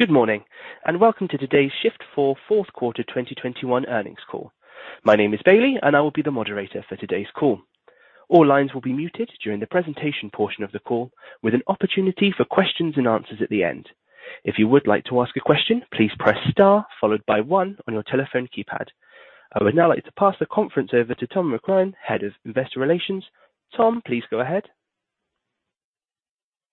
Good morning, and welcome to today's Shift4 Q4 2021 earnings call. My name is Bailey, and I will be the moderator for today's call. All lines will be muted during the presentation portion of the call, with an opportunity for questions and answers at the end. If you would like to ask a question, please press star followed by one on your telephone keypad. I would now like to pass the conference over to Tom McCrohan, Head of Investor Relations. Tom, please go ahead.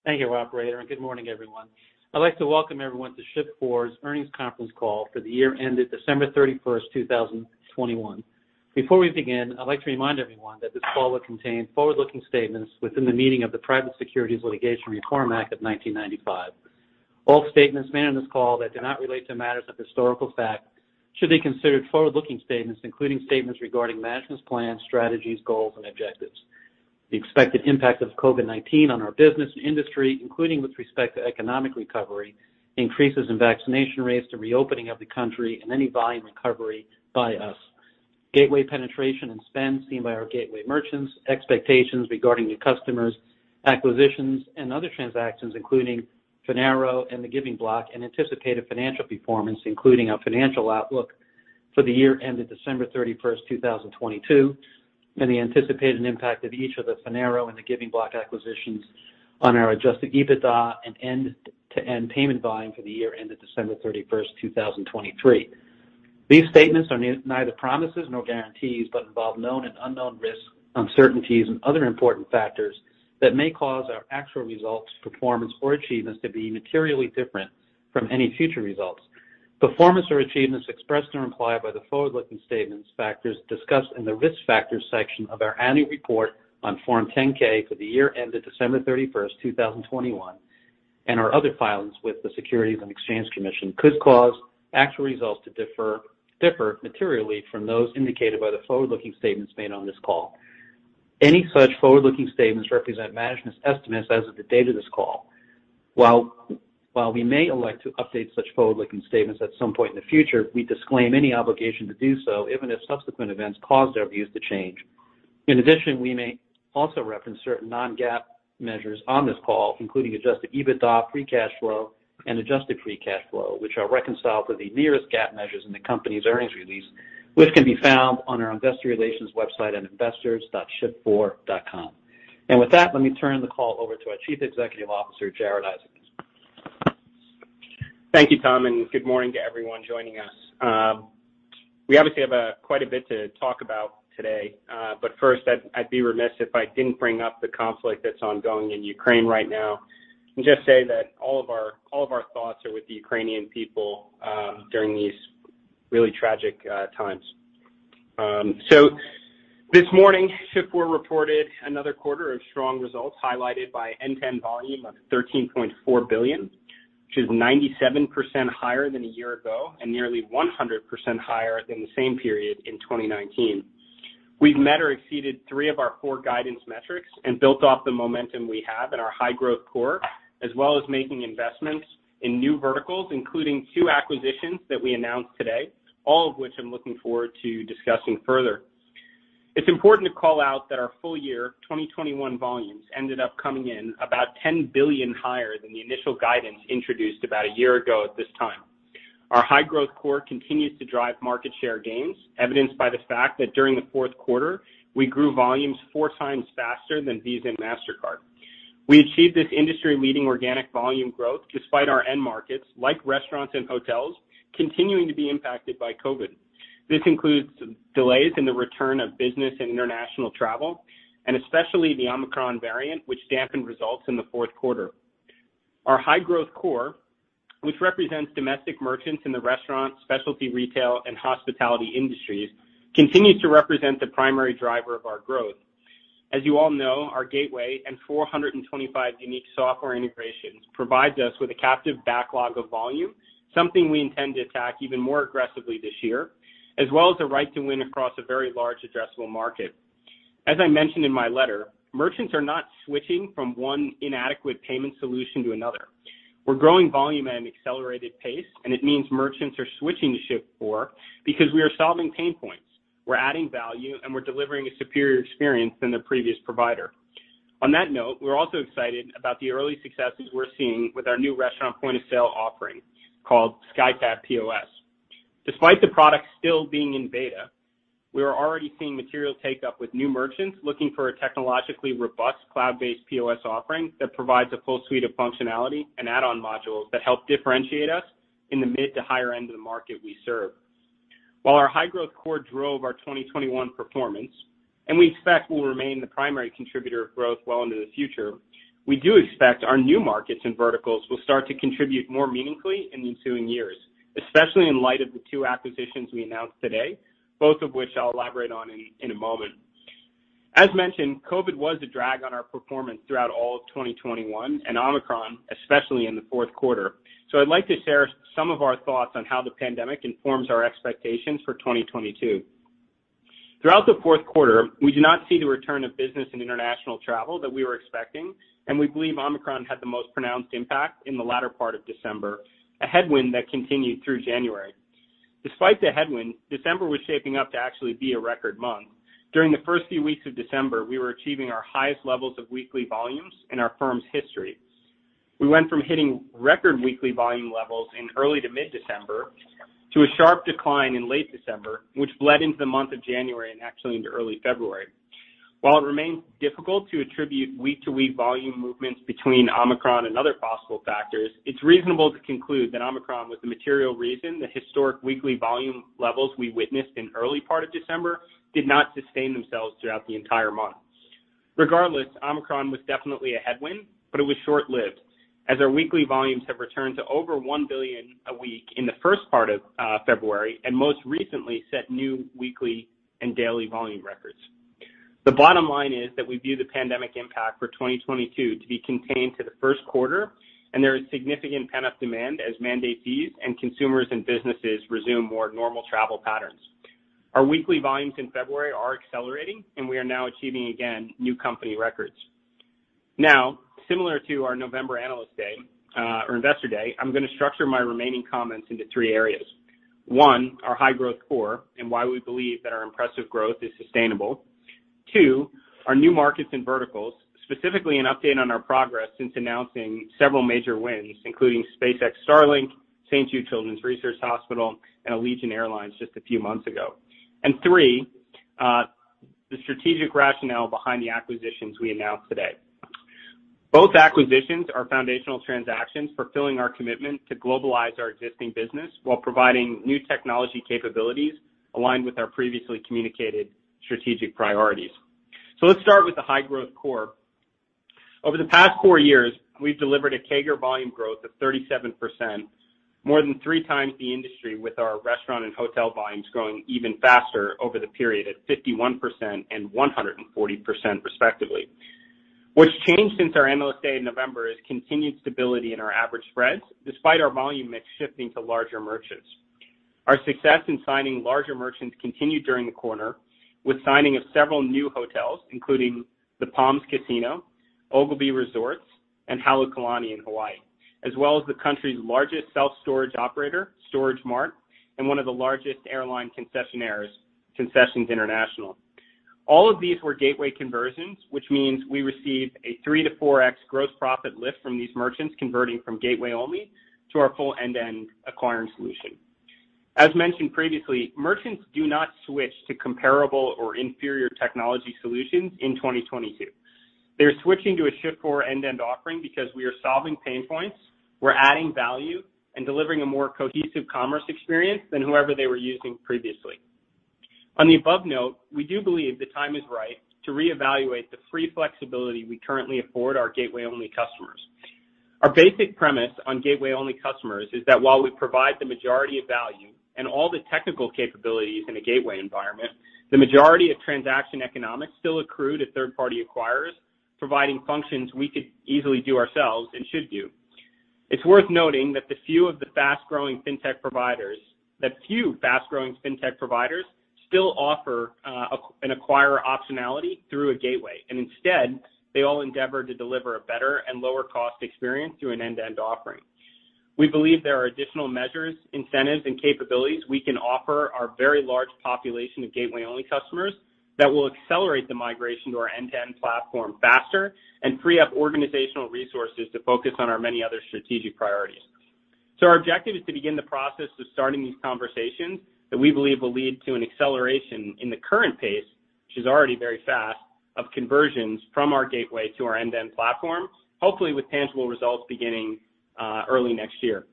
Thank you, operator, and good morning, everyone. I'd like to welcome everyone to Shift4's earnings conference call for the year ended December 31, 2021. Before we begin, I'd like to remind everyone that this call will contain forward-looking statements within the meaning of the Private Securities Litigation Reform Act of 1995. All statements made on this call that do not relate to matters of historical fact should be considered forward-looking statements, including statements regarding management's plans, strategies, goals, and objectives. The expected impact of COVID-19 on our business and industry, including with respect to economic recovery, increases in vaccination rates, the reopening of the country and any volume recovery by us. Gateway penetration and spend seen by our gateway merchants, expectations regarding new customers, acquisitions and other transactions, including Finaro and The Giving Block, and anticipated financial performance, including our financial outlook for the year ended 31 December, 2022, and the anticipated impact of each of the Finaro and The Giving Block acquisitions on our Adjusted EBITDA and end-to-end payment volume for the year ended 31 December, 2023. These statements are neither promises nor guarantees, but involve known and unknown risks, uncertainties, and other important factors that may cause our actual results, performance, or achievements to be materially different from any future results. Performance or achievements expressed or implied by the forward-looking statements, factors discussed in the Risk Factors section of our annual report on Form 10-K for the year ended December 31, 2021, and our other filings with the Securities and Exchange Commission could cause actual results to differ materially from those indicated by the forward-looking statements made on this call. Any such forward-looking statements represent management's estimates as of the date of this call. While we may elect to update such forward-looking statements at some point in the future, we disclaim any obligation to do so, even if subsequent events cause our views to change. In addition, we may also reference certain non-GAAP measures on this call, including Adjusted EBITDA, free cash flow, and adjusted free cash flow, which are reconciled with the nearest GAAP measures in the company's earnings release, which can be found on our investor relations website at investors.shift4.com. With that, let me turn the call over to our Chief Executive Officer, Jared Isaacman. Thank you, Tom, and good morning to everyone joining us. We obviously have quite a bit to talk about today. First, I'd be remiss if I didn't bring up the conflict that's ongoing in Ukraine right now and just say that all of our thoughts are with the Ukrainian people during these really tragic times. This morning, Shift4 reported another quarter of strong results, highlighted by payment volume of $13.4 billion, which is 97% higher than a year ago and nearly 100% higher than the same period in 2019. We've met or exceeded three of our four guidance metrics and built off the momentum we have in our high-growth core, as well as making investments in new verticals, including two acquisitions that we announced today, all of which I'm looking forward to discussing further. It's important to call out that our full year 2021 volumes ended up coming in about $10 billion higher than the initial guidance introduced about a year ago at this time. Our high-growth core continues to drive market share gains, evidenced by the fact that during the Q4, we grew volumes four times faster than Visa and Mastercard. We achieved this industry-leading organic volume growth despite our end markets, like restaurants and hotels, continuing to be impacted by COVID. This includes delays in the return of business and international travel, and especially the Omicron variant, which dampened results in theQ4. Our high-growth core, which represents domestic merchants in the restaurant, specialty retail and hospitality industries, continues to represent the primary driver of our growth. As you all know, our gateway and 425 unique software integrations provides us with a captive backlog of volume, something we intend to attack even more aggressively this year, as well as the right to win across a very large addressable market. As I mentioned in my letter, merchants are not switching from one inadequate payment solution to another. We're growing volume at an accelerated pace, and it means merchants are switching to Shift4 because we are solving pain points. We're adding value, and we're delivering a superior experience than the previous provider. On that note, we're also excited about the early successes we're seeing with our new restaurant point-of-sale offering called SkyTab POS. Despite the product still being in beta, we are already seeing material take-up with new merchants looking for a technologically robust cloud-based POS offering that provides a full suite of functionality and add-on modules that help differentiate us in the mid to higher end of the market we serve. While our high-growth core drove our 2021 performance, and we expect will remain the primary contributor of growth well into the future, we do expect our new markets and verticals will start to contribute more meaningfully in ensuing years, especially in light of the two acquisitions we announced today, both of which I'll elaborate on in a moment. As mentioned, COVID was a drag on our performance throughout all of 2021 and Omicron, especially in the Q4. I'd like to share some of our thoughts on how the pandemic informs our expectations for 2022. Throughout the Q4, we do not see the return of business and international travel that we were expecting, and we believe Omicron had the most pronounced impact in the latter part of December, a headwind that continued through January. Despite the headwind, December was shaping up to actually be a record month. During the first few weeks of December, we were achieving our highest levels of weekly volumes in our firm's history. We went from hitting record weekly volume levels in early to mid-December to a sharp decline in late December, which bled into the month of January and actually into early February. While it remains difficult to attribute week-to-week volume movements between Omicron and other possible factors, it's reasonable to conclude that Omicron was the material reason the historic weekly volume levels we witnessed in early part of December did not sustain themselves throughout the entire month. Regardless, Omicron was definitely a headwind, but it was short-lived, as our weekly volumes have returned to over $1 billion a week in the first part of February, and most recently set new weekly and daily volume records. The bottom line is that we view the pandemic impact for 2022 to be contained to the Q1, and there is significant pent-up demand as mandates ease and consumers and businesses resume more normal travel patterns. Our weekly volumes in February are accelerating, and we are now achieving again new company records. Now, similar to our November analyst day or investor day, I'm gonna structure my remaining comments into three areas. One, our high-growth core and why we believe that our impressive growth is sustainable. Two, our new markets and verticals, specifically an update on our progress since announcing several major wins, including SpaceX Starlink, St. Jude Children's Research Hospital, and Allegiant Air just a few months ago. Three, the strategic rationale behind the acquisitions we announced today. Both acquisitions are foundational transactions fulfilling our commitment to globalize our existing business while providing new technology capabilities aligned with our previously communicated strategic priorities. Let's start with the high-growth core. Over the past four years, we've delivered a CAGR volume growth of 37%, more than three times the industry with our restaurant and hotel volumes growing even faster over the period at 51% and 140% respectively. What's changed since our analyst day in November is continued stability in our average spreads despite our volume mix shifting to larger merchants. Our success in signing larger merchants continued during the quarter with signing of several new hotels, including the Palms Casino Resort, Outrigger Resorts, and Halekulani in Hawaii, as well as the country's largest self-storage operator, StorageMart, and one of the largest airline concessionaires, Concessions International. All of these were gateway conversions, which means we received a 3-4x gross profit lift from these merchants converting from gateway only to our full end-to-end acquiring solution. As mentioned previously, merchants do not switch to comparable or inferior technology solutions in 2022. They're switching to a Shift4 end-to-end offering because we are solving pain points, we're adding value and delivering a more cohesive commerce experience than whoever they were using previously. On the above note, we do believe the time is right to reevaluate the free flexibility we currently afford our gateway-only customers. Our basic premise on gateway-only customers is that while we provide the majority of value and all the technical capabilities in a gateway environment, the majority of transaction economics still accrue to third-party acquirers, providing functions we could easily do ourselves and should do. It's worth noting that few fast-growing fintech providers still offer an acquirer optionality through a gateway. Instead, they all endeavor to deliver a better and lower cost experience through an end-to-end offering. We believe there are additional measures, incentives, and capabilities we can offer our very large population of gateway-only customers that will accelerate the migration to our end-to-end platform faster and free up organizational resources to focus on our many other strategic priorities. Our objective is to begin the process of starting these conversations that we believe will lead to an acceleration in the current pace, which is already very fast, of conversions from our gateway to our end-to-end platform, hopefully with tangible results beginning early next year.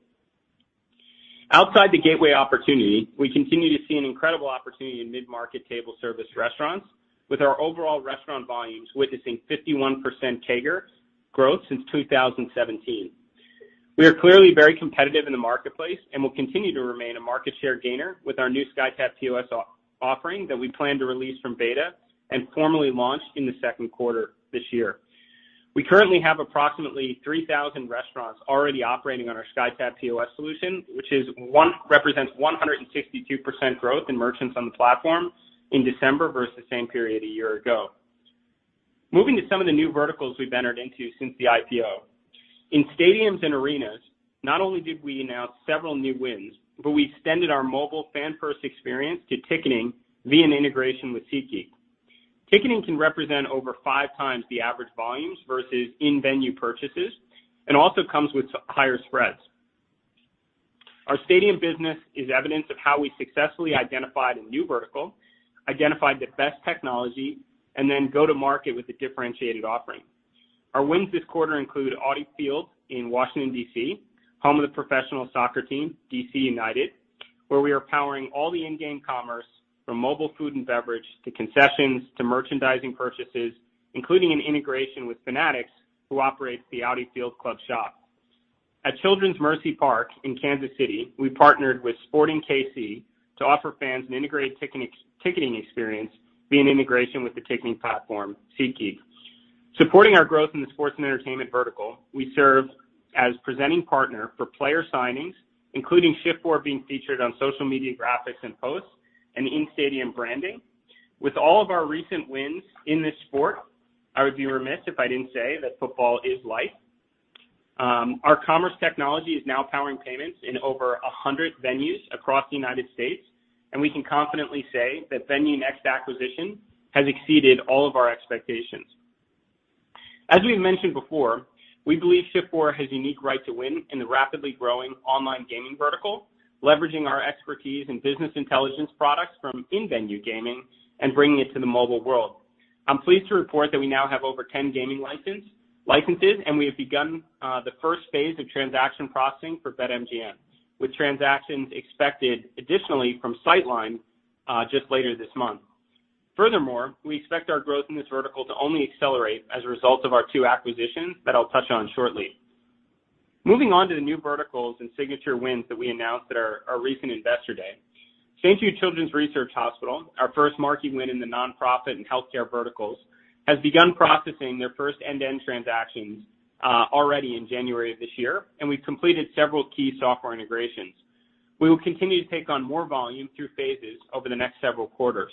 Outside the gateway opportunity, we continue to see an incredible opportunity in mid-market table service restaurants with our overall restaurant volumes witnessing 51% CAGR growth since 2017. We are clearly very competitive in the marketplace and will continue to remain a market share gainer with our new SkyTab POS offering that we plan to release from beta and formally launch in the Q2 this year. We currently have approximately 3,000 restaurants already operating on our SkyTab POS solution, which represents 162% growth in merchants on the platform in December versus the same period a year ago. Moving to some of the new verticals we've entered into since the IPO. In stadiums and arenas, not only did we announce several new wins, but we extended our mobile fan-first experience to ticketing via an integration with SeatGeek. Ticketing can represent over five times the average volumes versus in-venue purchases and also comes with higher spreads. Our stadium business is evidence of how we successfully identified a new vertical, identified the best technology, and then go to market with a differentiated offering. Our wins this quarter include Audi Field in Washington, D.C., home of the professional soccer team, D.C. United, where we are powering all the in-game commerce from mobile food and beverage, to concessions, to merchandising purchases, including an integration with Fanatics, who operates the Audi Field club shop. At Children's Mercy Park in Kansas City, we partnered with Sporting KC to offer fans an integrated ticketing experience via an integration with the ticketing platform, SeatGeek. Supporting our growth in the sports and entertainment vertical, we serve as presenting partner for player signings, including Shift4 being featured on social media graphics and posts and in-stadium branding. With all of our recent wins in this sport, I would be remiss if I didn't say that football is life. Our commerce technology is now powering payments in over 100 venues across the United States, and we can confidently say that VenueNext acquisition has exceeded all of our expectations. As we've mentioned before, we believe Shift4 has unique right to win in the rapidly growing online gaming vertical, leveraging our expertise in business intelligence products from in-venue gaming and bringing it to the mobile world. I'm pleased to report that we now have over 10 gaming licenses, and we have begun the first phase of transaction processing for BetMGM, with transactions expected additionally from Sightline just later this month. Furthermore, we expect our growth in this vertical to only accelerate as a result of our two acquisitions that I'll touch on shortly. Moving on to the new verticals and signature wins that we announced at our recent Investor Day. St. Jude Children's Research Hospital, our first marquee win in the nonprofit and healthcare verticals, has begun processing their first end-to-end transactions already in January of this year, and we've completed several key software integrations. We will continue to take on more volume through phases over the next several quarters.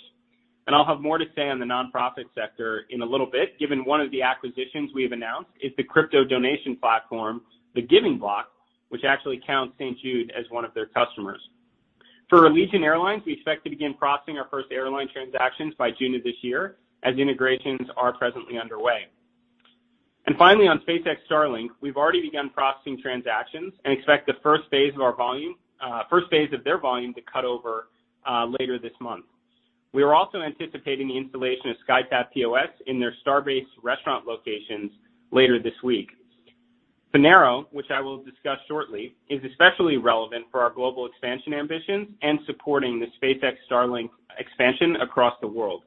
I'll have more to say on the nonprofit sector in a little bit, given one of the acquisitions we have announced is the crypto donation platform, The Giving Block, which actually counts St. Jude as one of their customers. For Allegiant Air, we expect to begin processing our first airline transactions by June of this year as integrations are presently underway. Finally, on SpaceX Starlink, we've already begun processing transactions and expect the first phase of their volume to cut over later this month. We are also anticipating the installation of SkyTab POS in their Starbase restaurant locations later this week. Finaro, which I will discuss shortly, is especially relevant for our global expansion ambitions and supporting the SpaceX Starlink expansion across the world.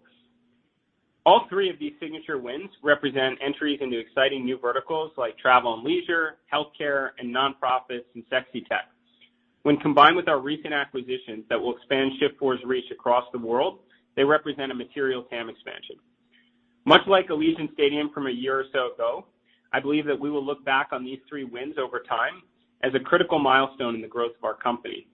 All three of these signature wins represent entries into exciting new verticals like travel and leisure, healthcare, and nonprofits and sexy tech. When combined with our recent acquisitions that will expand Shift4's reach across the world, they represent a material TAM expansion. Much like Allegiant Stadium from a year or so ago, I believe that we will look back on these three wins over time as a critical milestone in the growth of our company.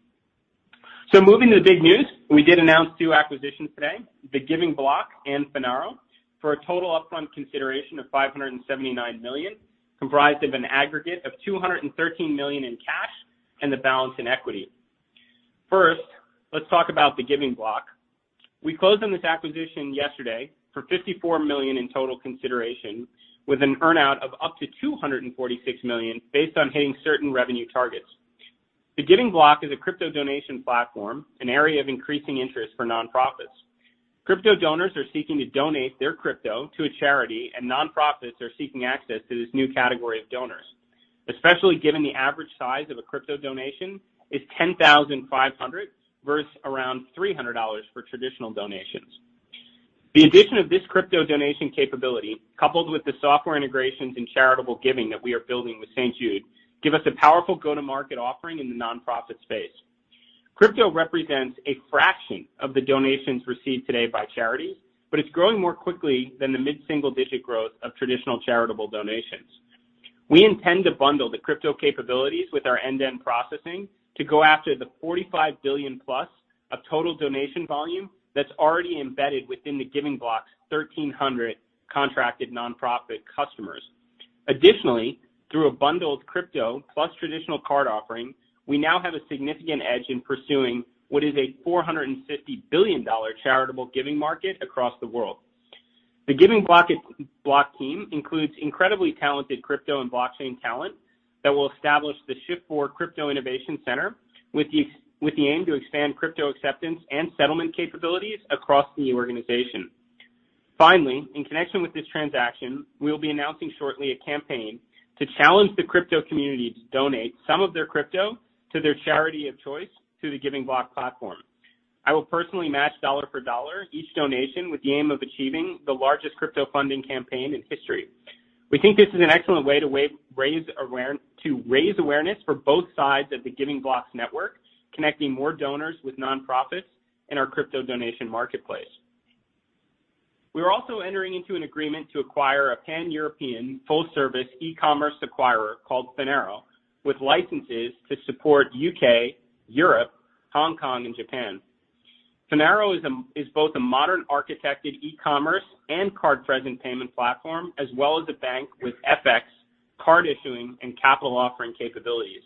Moving to the big news, we did announce two acquisitions today, The Giving Block and Finaro, for a total upfront consideration of $579 million, comprised of an aggregate of $213 million in cash and the balance in equity. First, let's talk about The Giving Block. We closed on this acquisition yesterday for $54 million in total consideration with an earn-out of up to $246 million based on hitting certain revenue targets. The Giving Block is a crypto donation platform, an area of increasing interest for nonprofits. Crypto donors are seeking to donate their crypto to a charity, and nonprofits are seeking access to this new category of donors, especially given the average size of a crypto donation is 10,500 versus around $300 for traditional donations. The addition of this crypto donation capability, coupled with the software integrations and charitable giving that we are building with St. Jude, give us a powerful go-to-market offering in the nonprofit space. Crypto represents a fraction of the donations received today by charities, but it's growing more quickly than the mid-single-digit growth of traditional charitable donations. We intend to bundle the crypto capabilities with our end-to-end processing to go after the $45 billion-plus of total donation volume that's already embedded within The Giving Block's 1,300 contracted nonprofit customers. Additionally, through a bundled crypto plus traditional card offering, we now have a significant edge in pursuing what is a $450 billion charitable giving market across the world. The Giving Block team includes incredibly talented crypto and blockchain talent that will establish the Shift4 Crypto Innovation Center with the aim to expand crypto acceptance and settlement capabilities across the organization. Finally, in connection with this transaction, we'll be announcing shortly a campaign to challenge the crypto community to donate some of their crypto to their charity of choice through The Giving Block platform. I will personally match dollar for dollar each donation with the aim of achieving the largest crypto funding campaign in history. We think this is an excellent way to raise awareness for both sides of The Giving Block's network, connecting more donors with nonprofits in our crypto donation marketplace. We are also entering into an agreement to acquire a Pan-European full-service e-commerce acquirer called Finaro, with licenses to support U.K., Europe, Hong Kong, and Japan. Finaro is both a modern architected e-commerce and card-present payment platform, as well as a bank with FX, card issuing, and capital offering capabilities.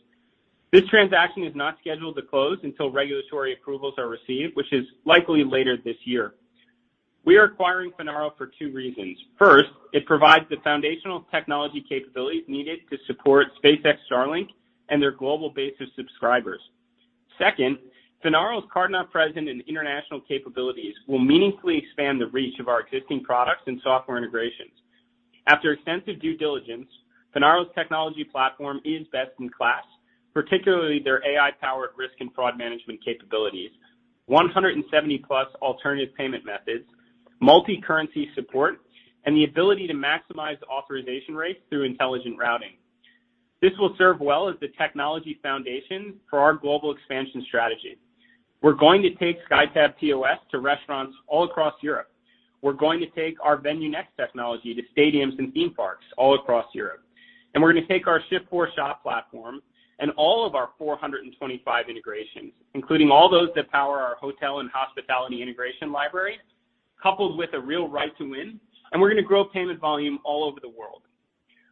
This transaction is not scheduled to close until regulatory approvals are received, which is likely later this year. We are acquiring Finaro for two reasons. First, it provides the foundational technology capabilities needed to support SpaceX Starlink and their global base of subscribers. Second, Finaro's card-not-present and international capabilities will meaningfully expand the reach of our existing products and software integrations. After extensive due diligence, Finaro's technology platform is best in class, particularly their AI-powered risk and fraud management capabilities, 170+ alternative payment methods, multi-currency support, and the ability to maximize authorization rates through intelligent routing. This will serve well as the technology foundation for our global expansion strategy. We're going to take SkyTab POS to restaurants all across Europe. We're going to take our VenueNext technology to stadiums and theme parks all across Europe. We're gonna take our Shift4Shop platform and all of our 425 integrations, including all those that power our hotel and hospitality integration library, coupled with a real right to win, and we're gonna grow payment volume all over the world.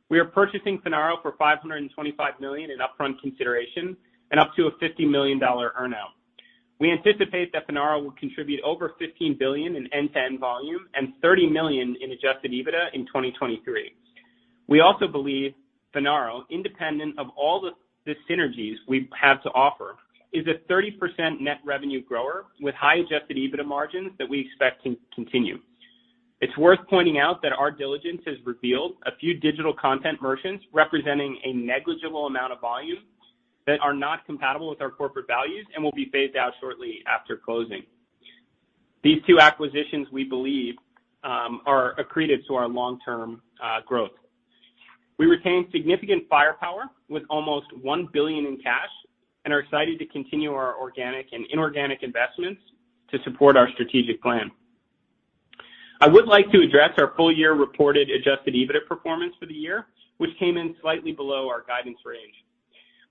We are purchasing Finaro for $525 million in upfront consideration and up to a $50 million earn-out. We anticipate that Finaro will contribute over $15 billion in end-to-end volume and $30 million in Adjusted EBITDA in 2023. We also believe Finaro, independent of all the synergies we have to offer, is a 30% net revenue grower with high Adjusted EBITDA margins that we expect to continue. It's worth pointing out that our diligence has revealed a few digital content merchants representing a negligible amount of volume that are not compatible with our corporate values and will be phased out shortly after closing. These two acquisitions, we believe, are accretive to our long-term growth. We retain significant firepower with almost $1 billion in cash and are excited to continue our organic and inorganic investments to support our strategic plan. I would like to address our full year reported Adjusted EBITDA performance for the year, which came in slightly below our guidance range.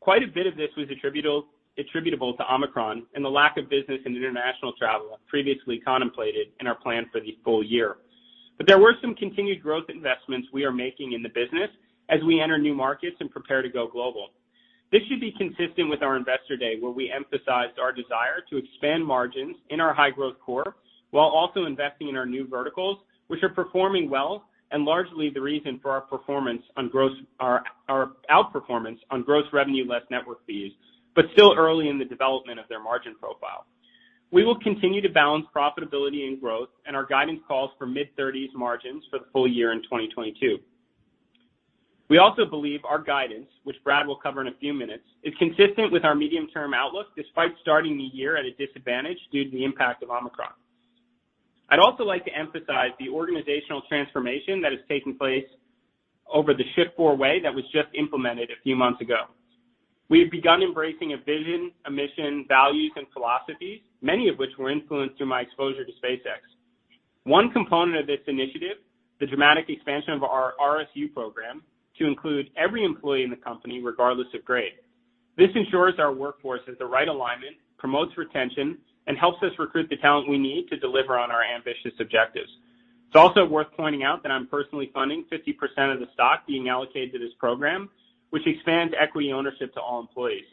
Quite a bit of this was attributable to Omicron and the lack of business in international travel previously contemplated in our plan for the full year. There were some continued growth investments we are making in the business as we enter new markets and prepare to go global. This should be consistent with our investor day, where we emphasized our desire to expand margins in our high-growth core while also investing in our new verticals, which are performing well and largely the reason for our outperformance on gross revenue less network fees, but still early in the development of their margin profile. We will continue to balance profitability and growth, and our guidance calls for mid-thirties margins for the full year in 2022. We also believe our guidance, which Brad will cover in a few minutes, is consistent with our medium-term outlook, despite starting the year at a disadvantage due to the impact of Omicron. I'd also like to emphasize the organizational transformation that has taken place over the Shift4 way that was just implemented a few months ago. We've begun embracing a vision, a mission, values, and philosophies, many of which were influenced through my exposure to SpaceX. One component of this initiative, the dramatic expansion of our RSU program to include every employee in the company, regardless of grade. This ensures our workforce is the right alignment, promotes retention, and helps us recruit the talent we need to deliver on our ambitious objectives. It's also worth pointing out that I'm personally funding 50% of the stock being allocated to this program, which expands equity ownership to all employees.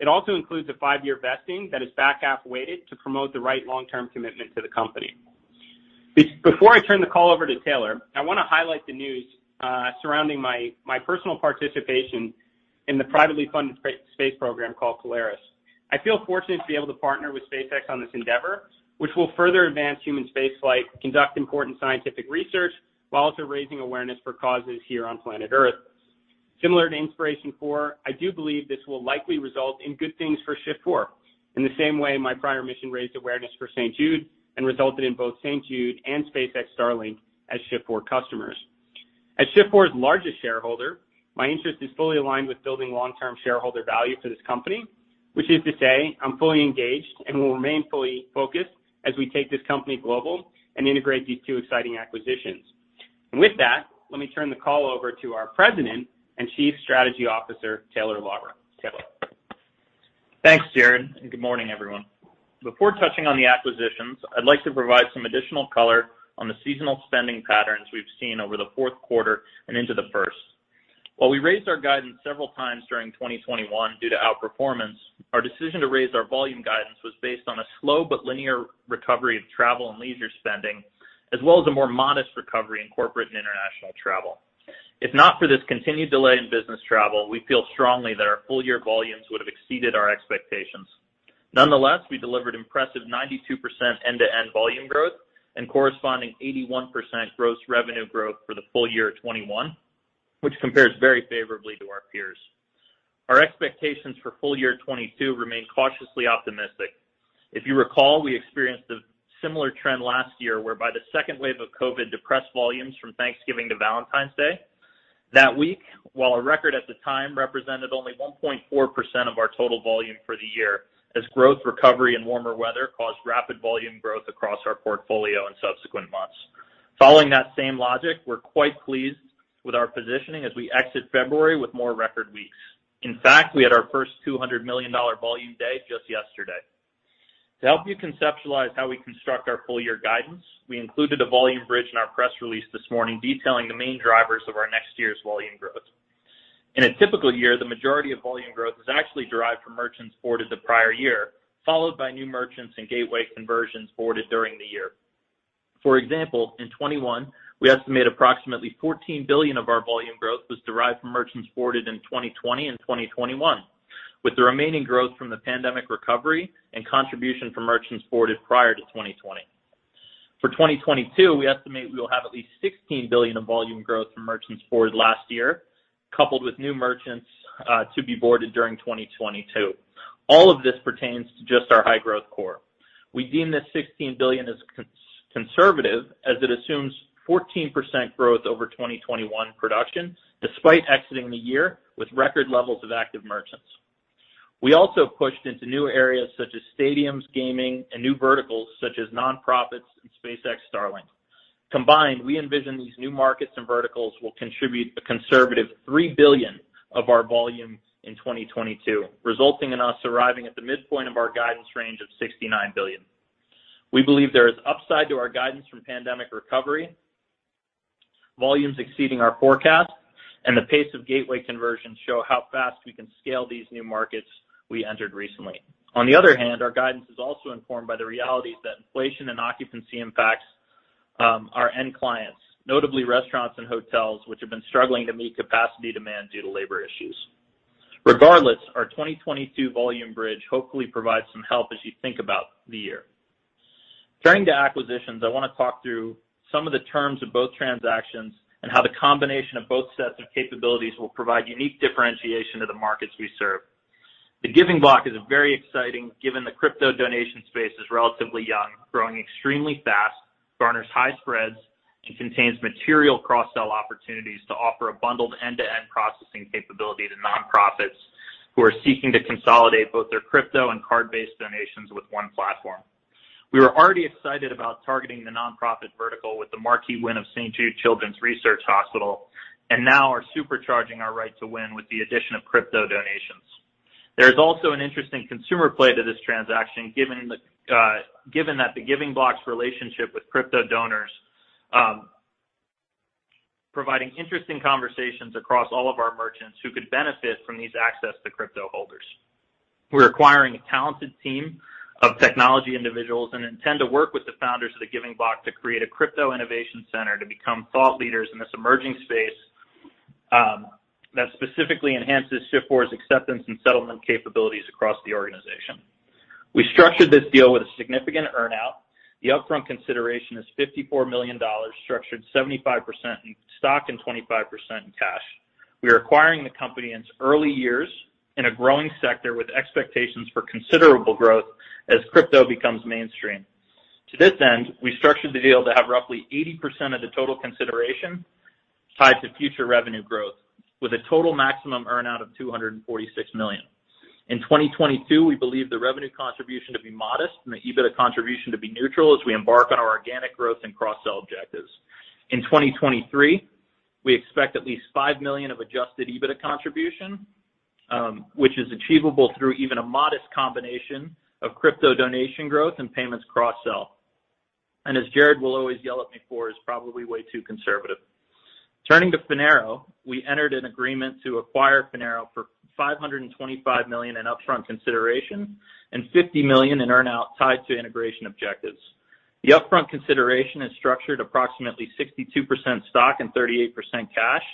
It also includes a five-year vesting that is back-half weighted to promote the right long-term commitment to the company. Before I turn the call over to Taylor, I wanna highlight the news surrounding my personal participation in the privately funded space program called Polaris. I feel fortunate to be able to partner with SpaceX on this endeavor, which will further advance human spaceflight, conduct important scientific research, while also raising awareness for causes here on planet Earth. Similar to Inspiration4, I do believe this will likely result in good things for Shift Four, in the same way my prior mission raised awareness for St. Jude and resulted in both St. Jude and SpaceX Starlink as Shift Four customers. As Shift Four's largest shareholder, my interest is fully aligned with building long-term shareholder value for this company, which is to say I'm fully engaged and will remain fully focused as we take this company global and integrate these two exciting acquisitions. With that, let me turn the call over to our President and Chief Strategy Officer, Taylor Lauber. Taylor. Thanks, Jared, and good morning, everyone. Before touching on the acquisitions, I'd like to provide some additional color on the seasonal spending patterns we've seen over the Q4 and into the first. While we raised our guidance several times during 2021 due to outperformance, our decision to raise our volume guidance was based on a slow but linear recovery of travel and leisure spending, as well as a more modest recovery in corporate and international travel. If not for this continued delay in business travel, we feel strongly that our full-year volumes would have exceeded our expectations. Nonetheless, we delivered impressive 92% end-to-end volume growth and corresponding 81% gross revenue growth for the full year of 2021, which compares very favorably to our peers. Our expectations for full year 2022 remain cautiously optimistic. If you recall, we experienced a similar trend last year, whereby the second wave of COVID depressed volumes from Thanksgiving to Valentine's Day. That week, while a record at the time represented only 1.4% of our total volume for the year, as growth recovery and warmer weather caused rapid volume growth across our portfolio in subsequent months. Following that same logic, we're quite pleased with our positioning as we exit February with more record weeks. In fact, we had our first $200 million volume day just yesterday. To help you conceptualize how we construct our full year guidance, we included a volume bridge in our press release this morning detailing the main drivers of our next year's volume growth. In a typical year, the majority of volume growth is actually derived from merchants boarded the prior year, followed by new merchants and gateway conversions boarded during the year. For example, in 2021, we estimate approximately $14 billion of our volume growth was derived from merchants boarded in 2020 and 2021, with the remaining growth from the pandemic recovery and contribution from merchants boarded prior to 2020. For 2022, we estimate we will have at least $16 billion of volume growth from merchants boarded last year, coupled with new merchants to be boarded during 2022. All of this pertains to just our high-growth core. We deem that $16 billion as conservative as it assumes 14% growth over 2021 production, despite exiting the year with record levels of active merchants. We also pushed into new areas such as stadiums, gaming, and new verticals such as nonprofits and SpaceX Starlink. Combined, we envision these new markets and verticals will contribute a conservative $3 billion of our volume in 2022, resulting in us arriving at the midpoint of our guidance range of $69 billion. We believe there is upside to our guidance from pandemic recovery, volumes exceeding our forecast, and the pace of gateway conversions show how fast we can scale these new markets we entered recently. On the other hand, our guidance is also informed by the realities that inflation and occupancy impacts our end clients, notably restaurants and hotels, which have been struggling to meet capacity demand due to labor issues. Regardless, our 2022 volume bridge hopefully provides some help as you think about the year. Turning to acquisitions, I want to talk through some of the terms of both transactions and how the combination of both sets of capabilities will provide unique differentiation to the markets we serve. The Giving Block is very exciting, given the crypto donation space is relatively young, growing extremely fast, garners high spreads, and contains material cross-sell opportunities to offer a bundled end-to-end processing capability to nonprofits who are seeking to consolidate both their crypto and card-based donations with one platform. We were already excited about targeting the nonprofit vertical with the marquee win of St. Jude Children's Research Hospital, and now are supercharging our right to win with the addition of crypto donations. There is also an interesting consumer play to this transaction, given that The Giving Block's relationship with crypto donors, providing interesting conversations across all of our merchants who could benefit from these access to crypto holders. We're acquiring a talented team of technology individuals and intend to work with the founders of The Giving Block to create a Crypto Innovation Center to become thought leaders in this emerging space, that specifically enhances Shift4's acceptance and settlement capabilities across the organization. We structured this deal with a significant earn-out. The upfront consideration is $54 million, structured 75% in stock and 25% in cash. We are acquiring the company in its early years in a growing sector with expectations for considerable growth as crypto becomes mainstream. To this end, we structured the deal to have roughly 80% of the total consideration tied to future revenue growth, with a total maximum earn-out of $246 million. In 2022, we believe the revenue contribution to be modest and the EBITDA contribution to be neutral as we embark on our organic growth and cross-sell objectives. In 2023, we expect at least $5 million of adjusted EBITDA contribution, which is achievable through even a modest combination of crypto donation growth and payments cross-sell, as Jared will always yell at me for, is probably way too conservative. Turning to Finaro, we entered an agreement to acquire Finaro for $525 million in upfront consideration and $50 million in earn-out tied to integration objectives. The upfront consideration is structured approximately 62% stock and 38% cash.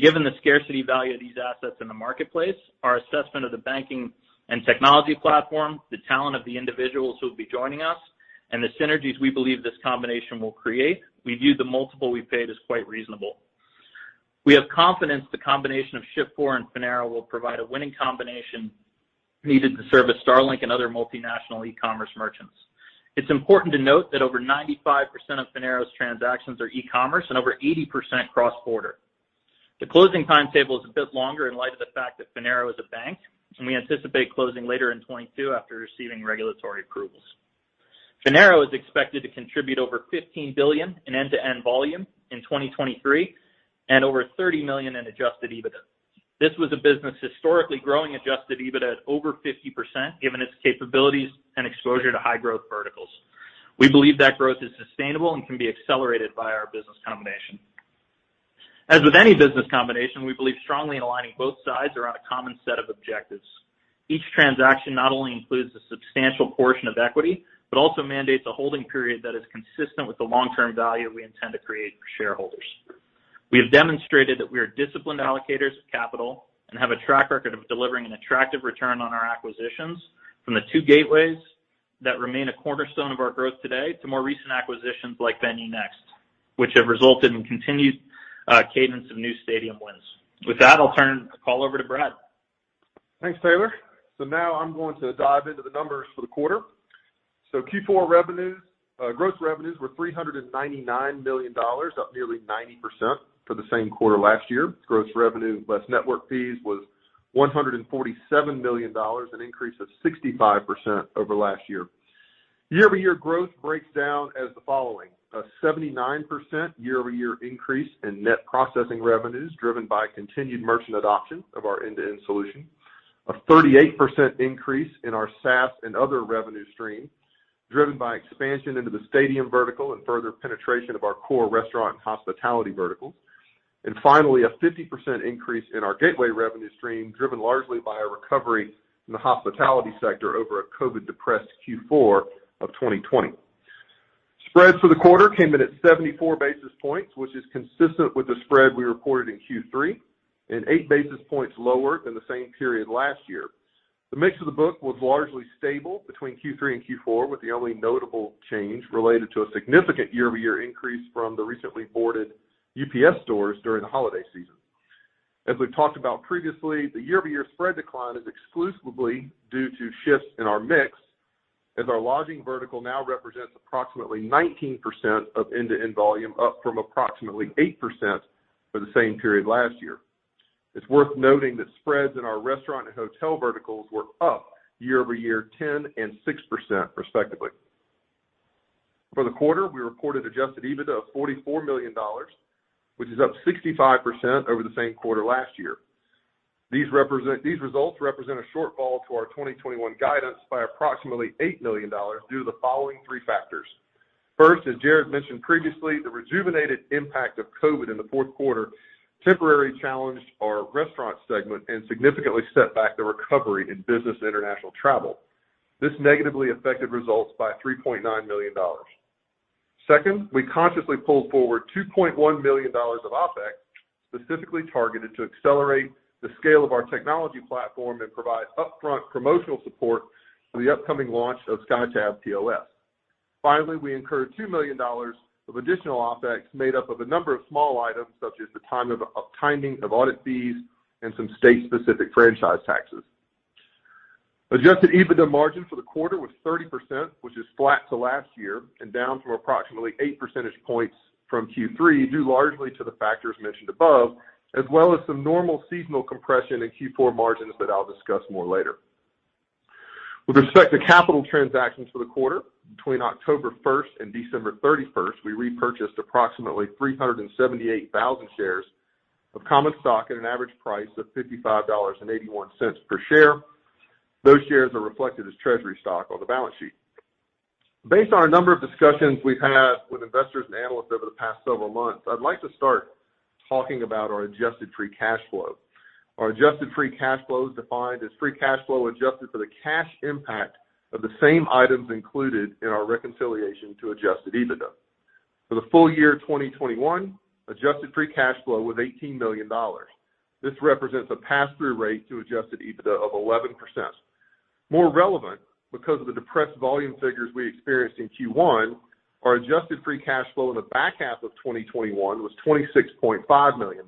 Given the scarcity value of these assets in the marketplace, our assessment of the banking and technology platform, the talent of the individuals who will be joining us, and the synergies we believe this combination will create, we view the multiple we paid as quite reasonable. We have confidence the combination of Shift4 and Finaro will provide a winning combination needed to service Starlink and other multinational e-commerce merchants. It's important to note that over 95% of Finaro's transactions are e-commerce and over 80% cross-border. The closing timetable is a bit longer in light of the fact that Finaro is a bank, and we anticipate closing later in 2022 after receiving regulatory approvals. Finaro is expected to contribute over $15 billion in end-to-end volume in 2023 and over $30 million in Adjusted EBITDA. This was a business historically growing Adjusted EBITDA at over 50%, given its capabilities and exposure to high-growth verticals. We believe that growth is sustainable and can be accelerated by our business combination. As with any business combination, we believe strongly in aligning both sides around a common set of objectives. Each transaction not only includes a substantial portion of equity, but also mandates a holding period that is consistent with the long-term value we intend to create for shareholders. We have demonstrated that we are disciplined allocators of capital and have a track record of delivering an attractive return on our acquisitions from the two gateways that remain a cornerstone of our growth today to more recent acquisitions like VenueNext, which have resulted in continued cadence of new stadium wins. With that, I'll turn the call over to Brad. Thanks, Taylor. Now I'm going to dive into the numbers for the quarter. Q4 revenues, gross revenues were $399 million, up nearly 90% for the same quarter last year. Gross revenue less network fees was $147 million, an increase of 65% over last year. Year-over-year growth breaks down as the following. A 79% year-over-year increase in net processing revenues, driven by continued merchant adoption of our end-to-end solution. A 38% increase in our SaaS and other revenue streams, driven by expansion into the stadium vertical and further penetration of our core restaurant and hospitality verticals. Finally, a 50% increase in our gateway revenue stream, driven largely by a recovery in the hospitality sector over a COVID-depressed Q4 of 2020. Spreads for the quarter came in at 74 basis points, which is consistent with the spread we reported in Q3, and 8 basis points lower than the same period last year. The mix of the book was largely stable between Q3 and Q4, with the only notable change related to a significant year-over-year increase from the recently boarded UPS stores during the holiday season. As we've talked about previously, the year-over-year spread decline is exclusively due to shifts in our mix, as our lodging vertical now represents approximately 19% of end-to-end volume, up from approximately 8% for the same period last year. It's worth noting that spreads in our restaurant and hotel verticals were up year-over-year 10% and 6% respectively. For the quarter, we reported Adjusted EBITDA of $44 million, which is up 65% over the same quarter last year. These results represent a shortfall to our 2021 guidance by approximately $8 million due to the following three factors. First, as Jared mentioned previously, the rejuvenated impact of COVID in the Q4 temporarily challenged our restaurant segment and significantly set back the recovery in business international travel. This negatively affected results by $3.9 million. Second, we consciously pulled forward $2.1 million of OpEx, specifically targeted to accelerate the scale of our technology platform and provide upfront promotional support for the upcoming launch of SkyTab POS. Finally, we incurred $2 million of additional OpEx made up of a number of small items such as the timing of audit fees and some state-specific franchise taxes. Adjusted EBITDA margin for the quarter was 30%, which is flat to last year and down from approximately 8 percentage points from Q3, due largely to the factors mentioned above, as well as some normal seasonal compression in Q4 margins that I'll discuss more later. With respect to capital transactions for the quarter, between October 1 and December 31, we repurchased approximately 378,000 shares of common stock at an average price of $55.81 per share. Those shares are reflected as treasury stock on the balance sheet. Based on a number of discussions we've had with investors and analysts over the past several months, I'd like to start talking about our adjusted free cash flow. Our adjusted free cash flow is defined as free cash flow adjusted for the cash impact of the same items included in our reconciliation to adjusted EBITDA. For the full year 2021, adjusted free cash flow was $18 million. This represents a pass-through rate to Adjusted EBITDA of 11%. More relevant, because of the depressed volume figures we experienced in Q1, our adjusted free cash flow in the back half of 2021 was $26.5 million.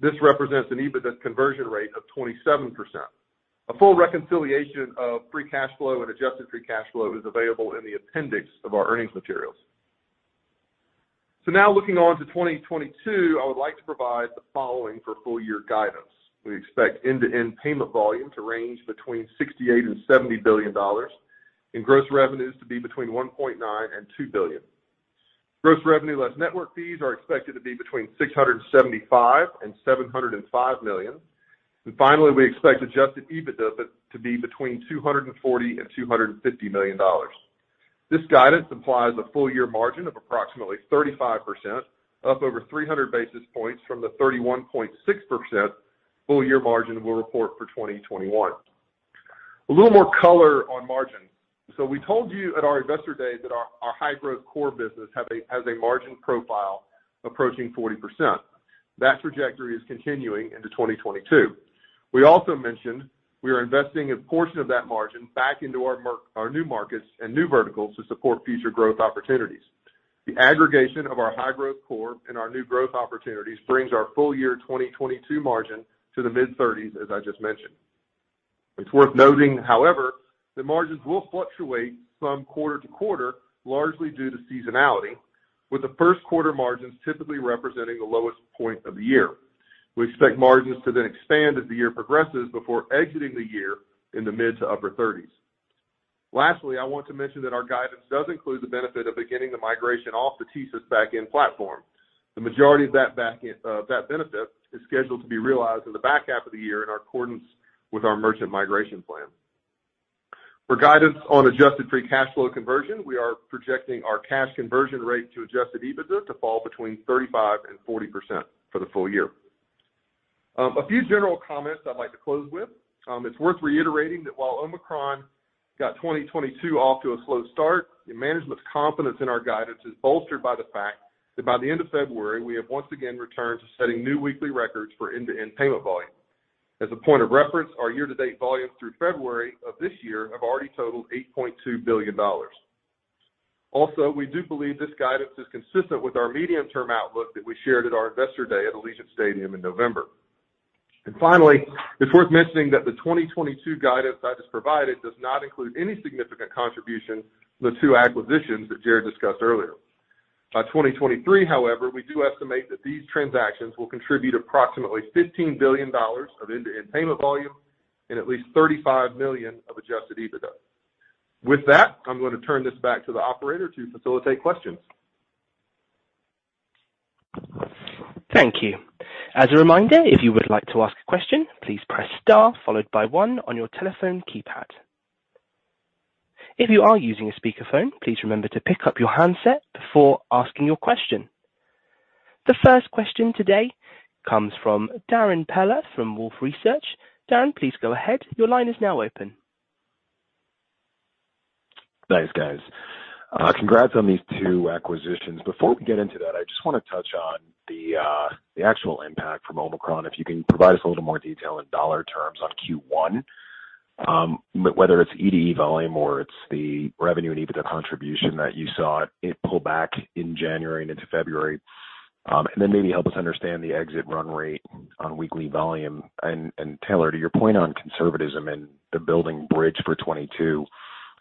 This represents an EBITDA conversion rate of 27%. A full reconciliation of free cash flow and adjusted free cash flow is available in the appendix of our earnings materials. Now looking on to 2022, I would like to provide the following for full year guidance. We expect end-to-end payment volume to range between $68 billion and $70 billion, and gross revenues to be between $1.9 billion and $2 billion. Gross revenue less network fees are expected to be between $675 million and $705 million. Finally, we expect Adjusted EBITDA to be between $240 million and $250 million. This guidance implies a full year margin of approximately 35%, up over 300 basis points from the 31.6% full year margin we'll report for 2021. A little more color on margin. We told you at our Investor Day that our high-growth core business has a margin profile approaching 40%. That trajectory is continuing into 2022. We also mentioned we are investing a portion of that margin back into our new markets and new verticals to support future growth opportunities. The aggregation of our high-growth core and our new growth opportunities brings our full year 2022 margin to the mid-thirties, as I just mentioned. It's worth noting, however, that margins will fluctuate from quarter to quarter, largely due to seasonality, with the first quarter margins typically representing the lowest point of the year. We expect margins to then expand as the year progresses before exiting the year in the mid- to upper 30s%. Lastly, I want to mention that our guidance does include the benefit of beginning the migration off the TSYS back-end platform. The majority of that back-end benefit is scheduled to be realized in the back half of the year in accordance with our merchant migration plan. For guidance on adjusted free cash flow conversion, we are projecting our cash conversion rate to Adjusted EBITDA to fall between 35%-40% for the full year. A few general comments I'd like to close with. It's worth reiterating that while Omicron got 2022 off to a slow start, the management's confidence in our guidance is bolstered by the fact that by the end of February, we have once again returned to setting new weekly records for end-to-end payment volume. As a point of reference, our year-to-date volumes through February of this year have already totaled $8.2 billion. Also, we do believe this guidance is consistent with our medium-term outlook that we shared at our Investor Day at Allegiant Stadium in November. Finally, it's worth mentioning that the 2022 guidance I just provided does not include any significant contribution from the two acquisitions that Jared discussed earlier. By 2023, however, we do estimate that these transactions will contribute approximately $15 billion of end-to-end payment volume and at least $35 million of adjusted EBITDA. With that, I'm going to turn this back to the operator to facilitate questions. Thank you. As a reminder, if you would like to ask a question, please press star followed by one on your telephone keypad. If you are using a speakerphone, please remember to pick up your handset before asking your question. The first question today comes from DARRIN PELLER from Wolfe Research. Darrin, please go ahead. Your line is now open. Thanks, guys. Congrats on these two acquisitions. Before we get into that, I just want to touch on the actual impact from Omicron. If you can provide us a little more detail in dollar terms on Q1, but whether it's ED volume or it's the revenue and EBITDA contribution that you saw it pull back in January and into February, and then maybe help us understand the exit run rate on weekly volume. Taylor, to your point on conservatism and the building bridge for 2022.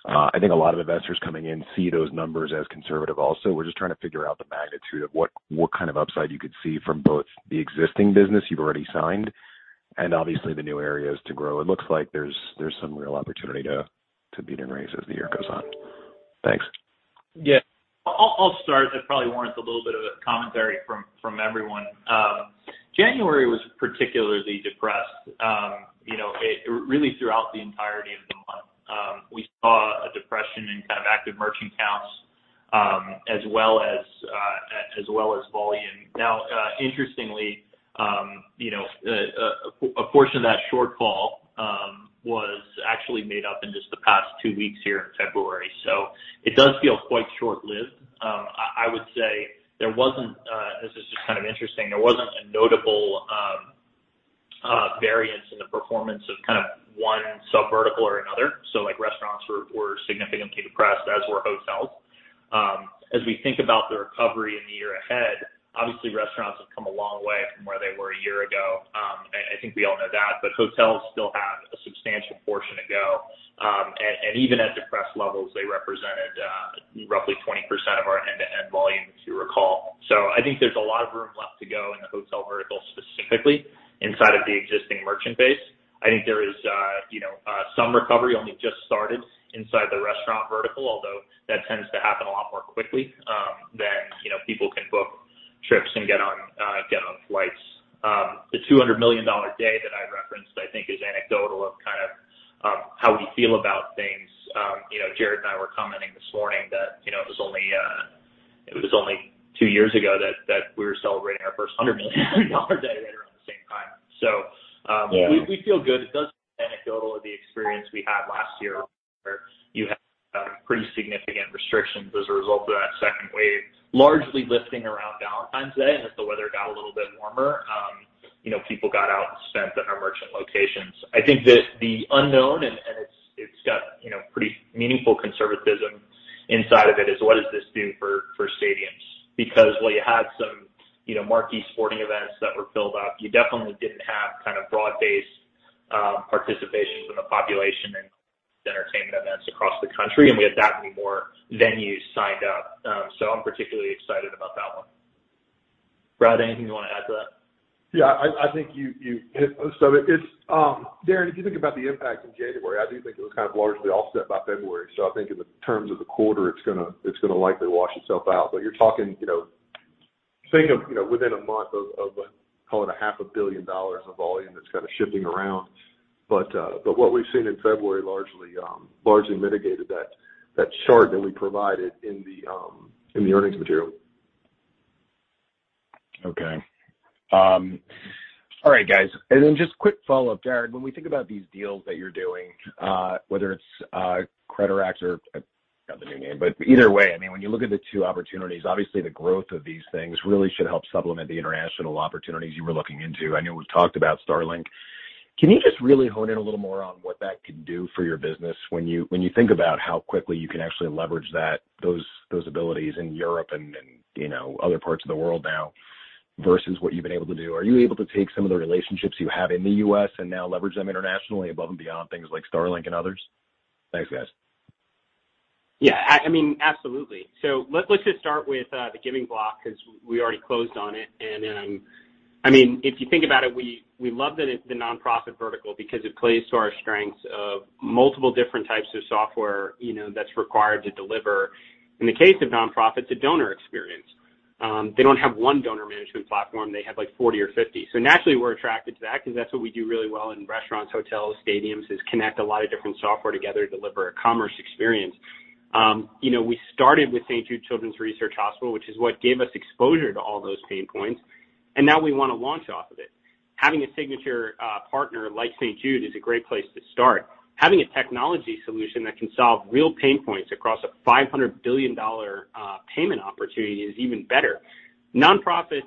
I think a lot of investors coming in see those numbers as conservative also. We're just trying to figure out the magnitude of what kind of upside you could see from both the existing business you've already signed and obviously the new areas to grow. It looks like there's some real opportunity to beat and raise as the year goes on. Thanks. I'll start. It probably warrants a little bit of a commentary from everyone. January was particularly depressed. It really throughout the entirety of the month. We saw a depression in kind of active merchant counts, as well as volume. Now, interestingly, a portion of that shortfall was actually made up in just the past two weeks here in February. It does feel quite short-lived. I would say this is just kind of interesting, there wasn't a notable variance in the performance of kind of one sub-vertical or another. Like, restaurants were significantly depressed, as were hotels. As we think about the recovery in the year ahead, obviously, restaurants have come a long way from where they were a year ago. I think we all know that, but hotels still have a substantial portion to go. Even at depressed levels, they represented roughly 20% of our end-to-end volume, if you recall. I think there's a lot of room left to go in the hotel vertical, specifically inside of the existing merchant base. I think there is you know some recovery only just started inside the restaurant vertical, although that tends to happen a lot more quickly than you know people can book trips and get on flights. The $200 million day that I referenced, I think is anecdotal of kind of how we feel about things. You know, Jared and I were commenting this morning that, you know, it was only two years ago that we were celebrating our first $100 million day at around the same time. Yeah. We feel good. It's anecdotal of the experience we had last year where you had pretty significant restrictions as a result of that second wave, largely lifting around Valentine's Day. As the weather got a little bit warmer, people got out and spent in our merchant locations. I think the unknown and it's got pretty meaningful conservatism inside of it is what does this do for stadiums. Because while you had some marquee sporting events that were built up, you definitely didn't have kind of broad-based participation from the population and entertainment events across the country, and we had that many more venues signed up. So I'm particularly excited about that one. Brad, anything you wanna add to that? Yeah, I think you hit most of it. It's Darrin, if you think about the impact in January, I do think it was kind of largely offset by February. I think in the terms of the quarter, it's gonna likely wash itself out. You're talking, you know, think of, you know, within a month of call it half a billion dollars of volume that's kind of shifting around. What we've seen in February largely mitigated that chart that we provided in the earnings material. Okay. All right, guys. Just quick follow-up, Jared, when we think about these deals that you're doing, whether it's Finaro or forgot the new name, but either way, I mean, when you look at the two opportunities, obviously the growth of these things really should help supplement the international opportunities you were looking into. I know we've talked about Starlink. Can you just really hone in a little more on what that could do for your business when you think about how quickly you can actually leverage those abilities in Europe and, you know, other parts of the world now versus what you've been able to do? Are you able to take some of the relationships you have in the U.S. and now leverage them internationally above and beyond things like Starlink and others? Thanks, guys. Yeah. I mean, absolutely. Let's just start with The Giving Block because we already closed on it. I mean, if you think about it, we love that it's the nonprofit vertical because it plays to our strengths of multiple different types of software, you know, that's required to deliver a donor experience in the case of nonprofits. They don't have one donor management platform. They have, like, 40 or 50. Naturally, we're attracted to that because that's what we do really well in restaurants, hotels, stadiums, is connect a lot of different software together to deliver a commerce experience. You know, we started with St. Jude Children's Research Hospital, which is what gave us exposure to all those pain points, and now we wanna launch off of it, having a signature partner like St. Jude is a great place to start. Having a technology solution that can solve real pain points across a $500 billion payment opportunity is even better. Nonprofits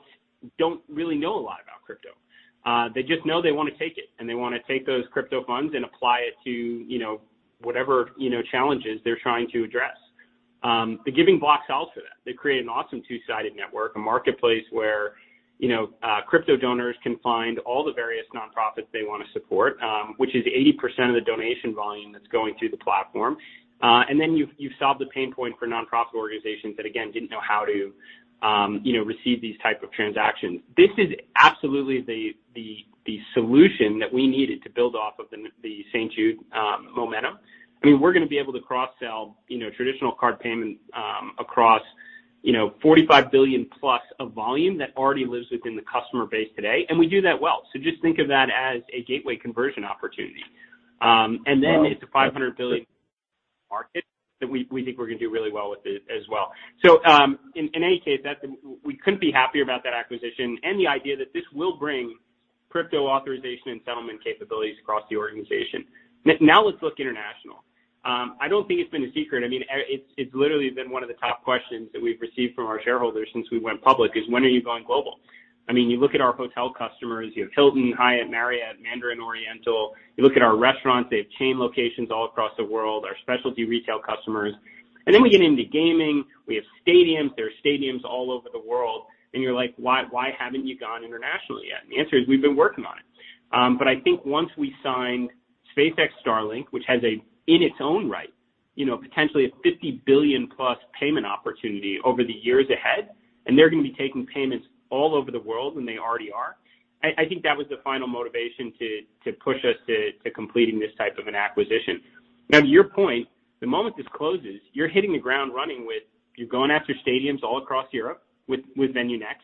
don't really know a lot about crypto. They just know they wanna take it, and they wanna take those crypto funds and apply it to, you know, whatever, you know, challenges they're trying to address. The Giving Block solves for that. They create an awesome two-sided network, a marketplace where, you know, crypto donors can find all the various nonprofits they wanna support, which is 80% of the donation volume that's going through the platform. Then you've solved the pain point for nonprofit organizations that, again, didn't know how to, you know, receive these type of transactions. This is absolutely the solution that we needed to build off of the St. Jude momentum. I mean, we're gonna be able to cross-sell, you know, traditional card payment across, you know, $45 billion+ of volume that already lives within the customer base today, and we do that well. Just think of that as a gateway conversion opportunity. It's a $500 billion market that we think we're gonna do really well with it as well. In any case, we couldn't be happier about that acquisition and the idea that this will bring crypto authorization and settlement capabilities across the organization. Now let's look international. I don't think it's been a secret. I mean, it's literally been one of the top questions that we've received from our shareholders since we went public, is when are you going global? I mean, you look at our hotel customers, you have Hilton, Hyatt, Marriott, Mandarin Oriental. You look at our restaurants, they have chain locations all across the world, our specialty retail customers. We get into gaming. We have stadiums. There are stadiums all over the world, and you're like, "Why haven't you gone internationally yet?" The answer is, we've been working on it. I think once we signed SpaceX Starlink, which has a, in its own right, you know, potentially a $50 billion+ payment opportunity over the years ahead, and they're gonna be taking payments all over the world, and they already are. I think that was the final motivation to push us to completing this type of an acquisition. Now, to your point, the moment this closes, you're hitting the ground running. You're going after stadiums all across Europe with VenueNext.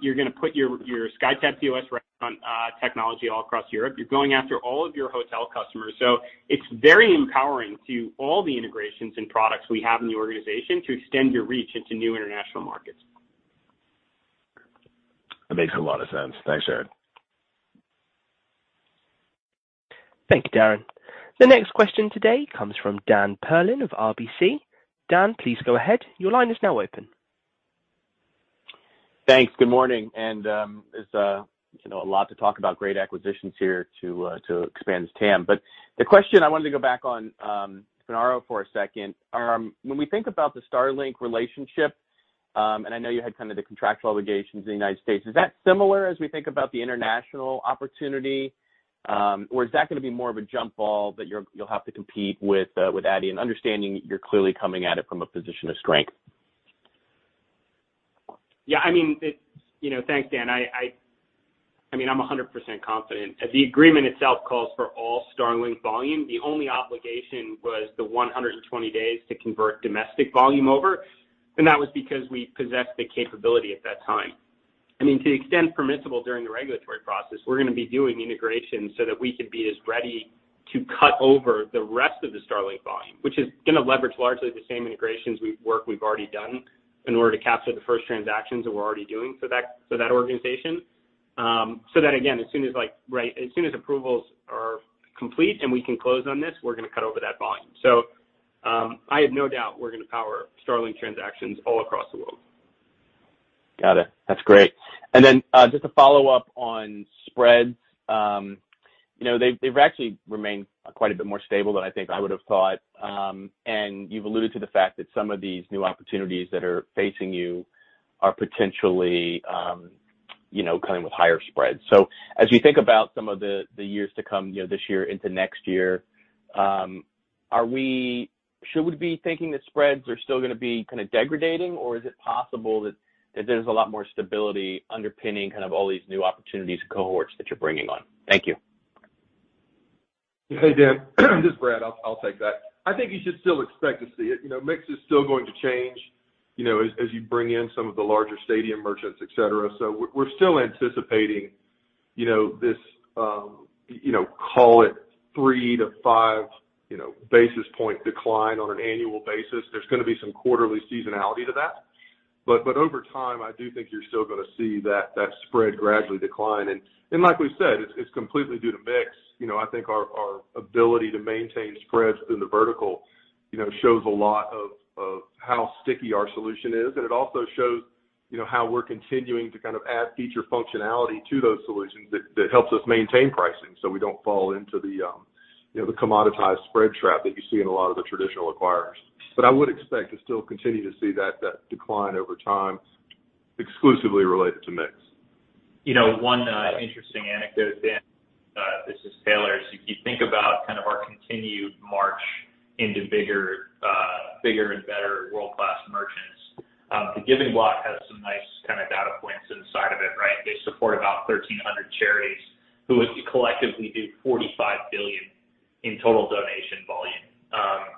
You're gonna put your SkyTab POS technology all across Europe. You're going after all of your hotel customers. It's very empowering to all the integrations and products we have in the organization to extend your reach into new international markets. That makes a lot of sense. Thanks, Jared. Thank you Darrin. The next question today comes from Dan Perlin of RBC. Dan, please go ahead. Your line is now open. Thanks. Good morning, it's, you know, a lot to talk about great acquisitions here to expand this TAM. The question I wanted to go back on, to Finaro for a second. When we think about the Starlink relationship, and I know you had kind of the contractual obligations in the United States, is that similar as we think about the international opportunity, or is that gonna be more of a jump ball that you'll have to compete with Adyen? Understanding you're clearly coming at it from a position of strength. Yeah, I mean, you know, thanks, Dan. I mean, I'm 100% confident. The agreement itself calls for all Starlink volume. The only obligation was the 120 days to convert domestic volume over, and that was because we possessed the capability at that time. I mean, to the extent permissible during the regulatory process, we're gonna be doing integration so that we can be as ready to cut over the rest of the Starlink volume, which is gonna leverage largely the same integrations we've already done in order to capture the first transactions that we're already doing for that organization. So that again, as soon as approvals are complete and we can close on this, we're gonna cut over that volume. I have no doubt we're gonna power Starlink transactions all across the world. Got it. That's great. Then, just a follow-up on spreads. You know, they've actually remained quite a bit more stable than I think I would have thought. You've alluded to the fact that some of these new opportunities that are facing you are potentially coming with higher spreads. As you think about some of the years to come, you know, this year into next year, should we be thinking that spreads are still gonna be kind of degrading, or is it possible that there's a lot more stability underpinning kind of all these new opportunities cohorts that you're bringing on? Thank you. Hey, Dan. This is Brad. I'll take that. I think you should still expect to see it. You know, mix is still going to change, you know, as you bring in some of the larger stadium merchants, et cetera. So we're still anticipating, you know, this, you know, call it 3-5 basis point decline on an annual basis. There's gonna be some quarterly seasonality to that. But over time, I do think you're still gonna see that spread gradually decline. And like we've said, it's completely due to mix. You know, I think our ability to maintain spreads within the vertical, you know, shows a lot of how sticky our solution is. It also shows, you know, how we're continuing to kind of add feature functionality to those solutions that helps us maintain pricing so we don't fall into the, you know, the commoditized spread trap that you see in a lot of the traditional acquirers. I would expect to still continue to see that decline over time exclusively related to mix. You know, one interesting anecdote, Dan, this is Taylor. As you think about kind of our continued march into bigger and better world-class merchants, The Giving Block has some nice kind of data points inside of it, right? They support about 1,300 charities who would collectively do $45 billion in total donation volume.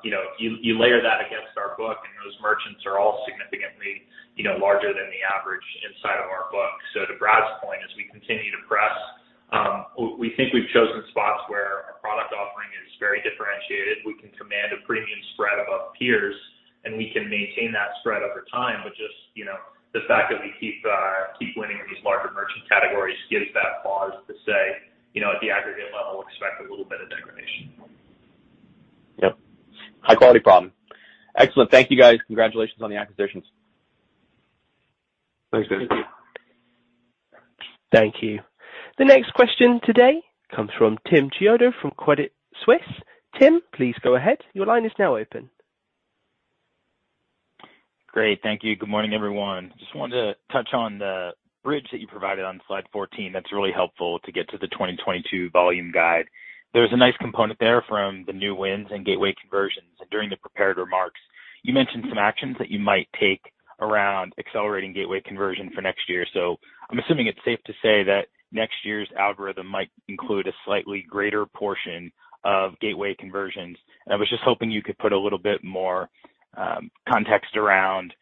You know, you layer that against our book, and those merchants are all significantly, you know, larger than the average inside of our book. To Brad's point, as we continue to press, we think we've chosen spots where our product offering is very differentiated. We can command a premium spread above peers, and we can maintain that spread over time, which is, you know, the fact that we keep winning in these larger merchant categories gives that pause to say, you know, at the aggregate level, expect a little bit of degradation. Yep. High-quality problem. Excellent. Thank you, guys. Congratulations on the acquisitions. Thanks, Dan. Thank you. The next question today comes from Tim Chiodo from Credit Suisse. Tim, please go ahead. Your line is now open. Great. Thank you. Good morning, everyone. Just wanted to touch on the bridge that you provided on slide 14. That's really helpful to get to the 2022 volume guide. There's a nice component there from the new wins and gateway conversions. During the prepared remarks, you mentioned some actions that you might take around accelerating gateway conversion for next year. I'm assuming it's safe to say that next year's algorithm might include a slightly greater portion of gateway conversions. I was just hoping you could put a little bit more context around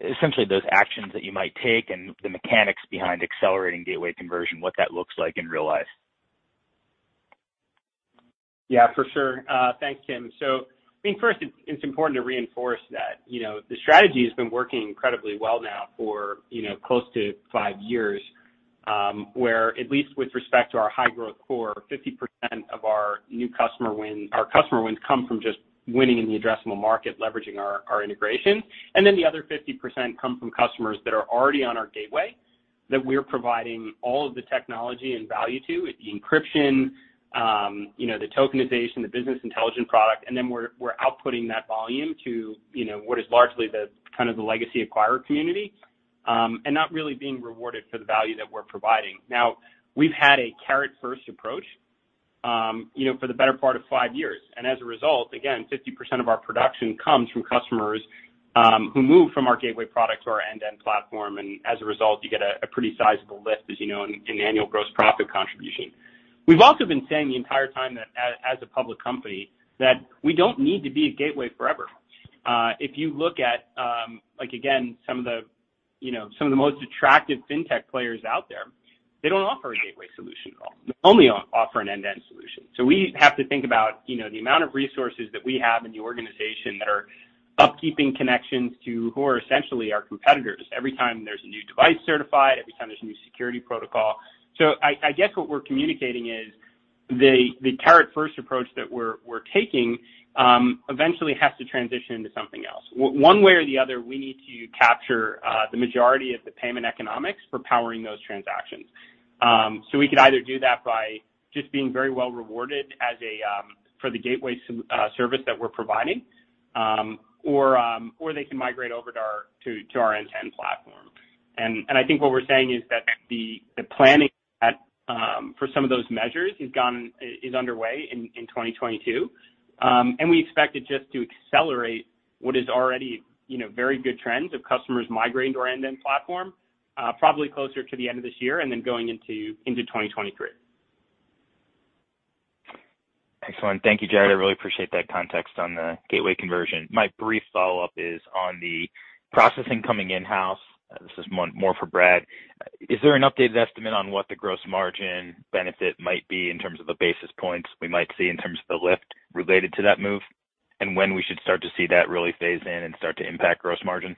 essentially those actions that you might take and the mechanics behind accelerating gateway conversion, what that looks like in real life. Yeah, for sure. Thanks, Tim. I mean, first it's important to reinforce that the strategy has been working incredibly well now for close to 5 years, where at least with respect to our high growth core, 50% of our new customer wins come from just winning in the addressable market, leveraging our integration. The other 50% come from customers that are already on our gateway, that we're providing all of the technology and value to, the encryption, you know, the tokenization, the business intelligence product, and then we're outputting that volume to what is largely the legacy acquirer community, and not really being rewarded for the value that we're providing. Now, we've had a carrot first approach for the better part of 5 years. As a result, again, 50% of our production comes from customers who move from our gateway product to our end-to-end platform. As a result, you get a pretty sizable lift, as you know, in annual gross profit contribution. We've also been saying the entire time that as a public company, that we don't need to be a gateway forever. If you look at like again, some of the you know, some of the most attractive fintech players out there, they don't offer a gateway solution at all. They only offer an end-to-end solution. We have to think about you know, the amount of resources that we have in the organization that are upkeeping connections to who are essentially our competitors every time there's a new device certified, every time there's a new security protocol. I guess what we're communicating is the carrot first approach that we're taking eventually has to transition into something else. One way or the other, we need to capture the majority of the payment economics for powering those transactions. We could either do that by just being very well rewarded for the gateway service that we're providing, or they can migrate over to our end-to-end platform. I think what we're saying is that the planning for some of those measures is underway in 2022. We expect it just to accelerate what is already, you know, very good trends of customers migrating to our end-to-end platform, probably closer to the end of this year and then going into 2023. Excellent. Thank you, Jared. I really appreciate that context on the gateway conversion. My brief follow-up is on the processing coming in-house. This is more for Brad. Is there an updated estimate on what the gross margin benefit might be in terms of the basis points we might see in terms of the lift related to that move, and when we should start to see that really phase in and start to impact gross margins?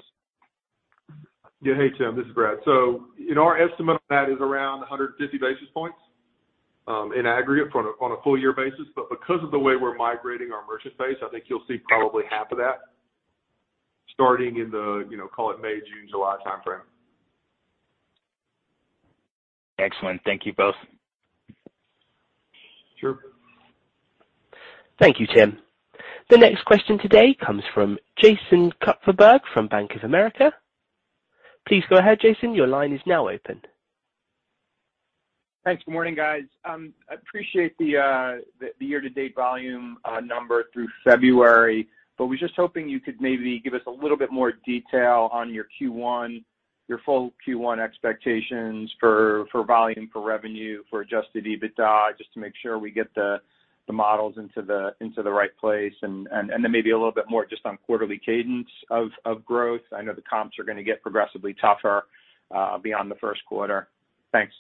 Yeah. Hey, Tim, this is Brad. In our estimate, that is around 150 basis points in aggregate on a full year basis. Because of the way we're migrating our merchant base, I think you'll see probably half of that starting in the, you know, call it May, June, July timeframe. Excellent. Thank you both. Sure. Thank you, Tim. The next question today comes from Jason Kupferberg from Bank of America. Please go ahead, Jason. Your line is now open. Thanks. Good morning, guys. I appreciate the year-to-date volume number through February, but was just hoping you could maybe give us a little bit more detail on your Q1, your full Q1 expectations for volume, for revenue, for Adjusted EBITDA, just to make sure we get the models into the right place and then maybe a little bit more just on quarterly cadence of growth. I know the comps are going to get progressively tougher beyond the first quarter. Thanks.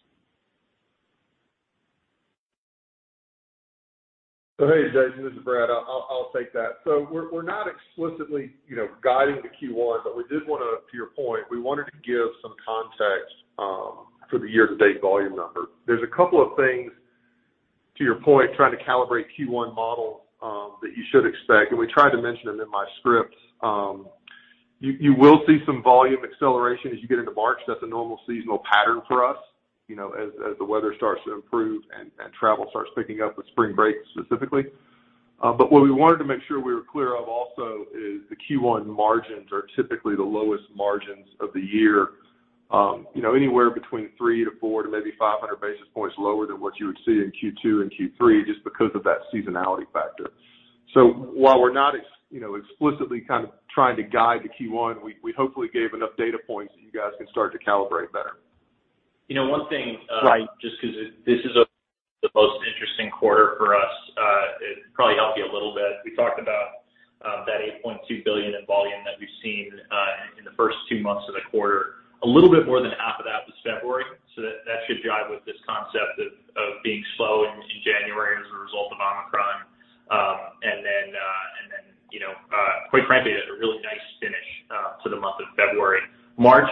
Hey, Jason, this is Brad. I'll take that. We're not explicitly, you know, guiding to Q1, but we did want to your point, give some context for the year-to-date volume number. There's a couple of things, to your point, trying to calibrate Q1 model that you should expect, and we tried to mention them in my script. You will see some volume acceleration as you get into March. That's a normal seasonal pattern for us, you know, as the weather starts to improve and travel starts picking up with spring break specifically. What we wanted to make sure we were clear of also is the Q1 margins are typically the lowest margins of the year, you know, anywhere between 300 to 400 to maybe 500 basis points lower than what you would see in Q2 and Q3 just because of that seasonality factor. While we're not, you know, explicitly kind of trying to guide to Q1, we hopefully gave enough data points that you guys can start to calibrate better. You know, one thing, Right... just because this is the most interesting quarter for us, it probably helped you a little bit. We talked about that $8.2 billion in volume that we've seen in the first two months of the quarter. A little bit more than half of that was February. That should jive with this concept of being slow in January as a result of Omicron. Then, you know, quite frankly, there's a really nice finish to the month of February. March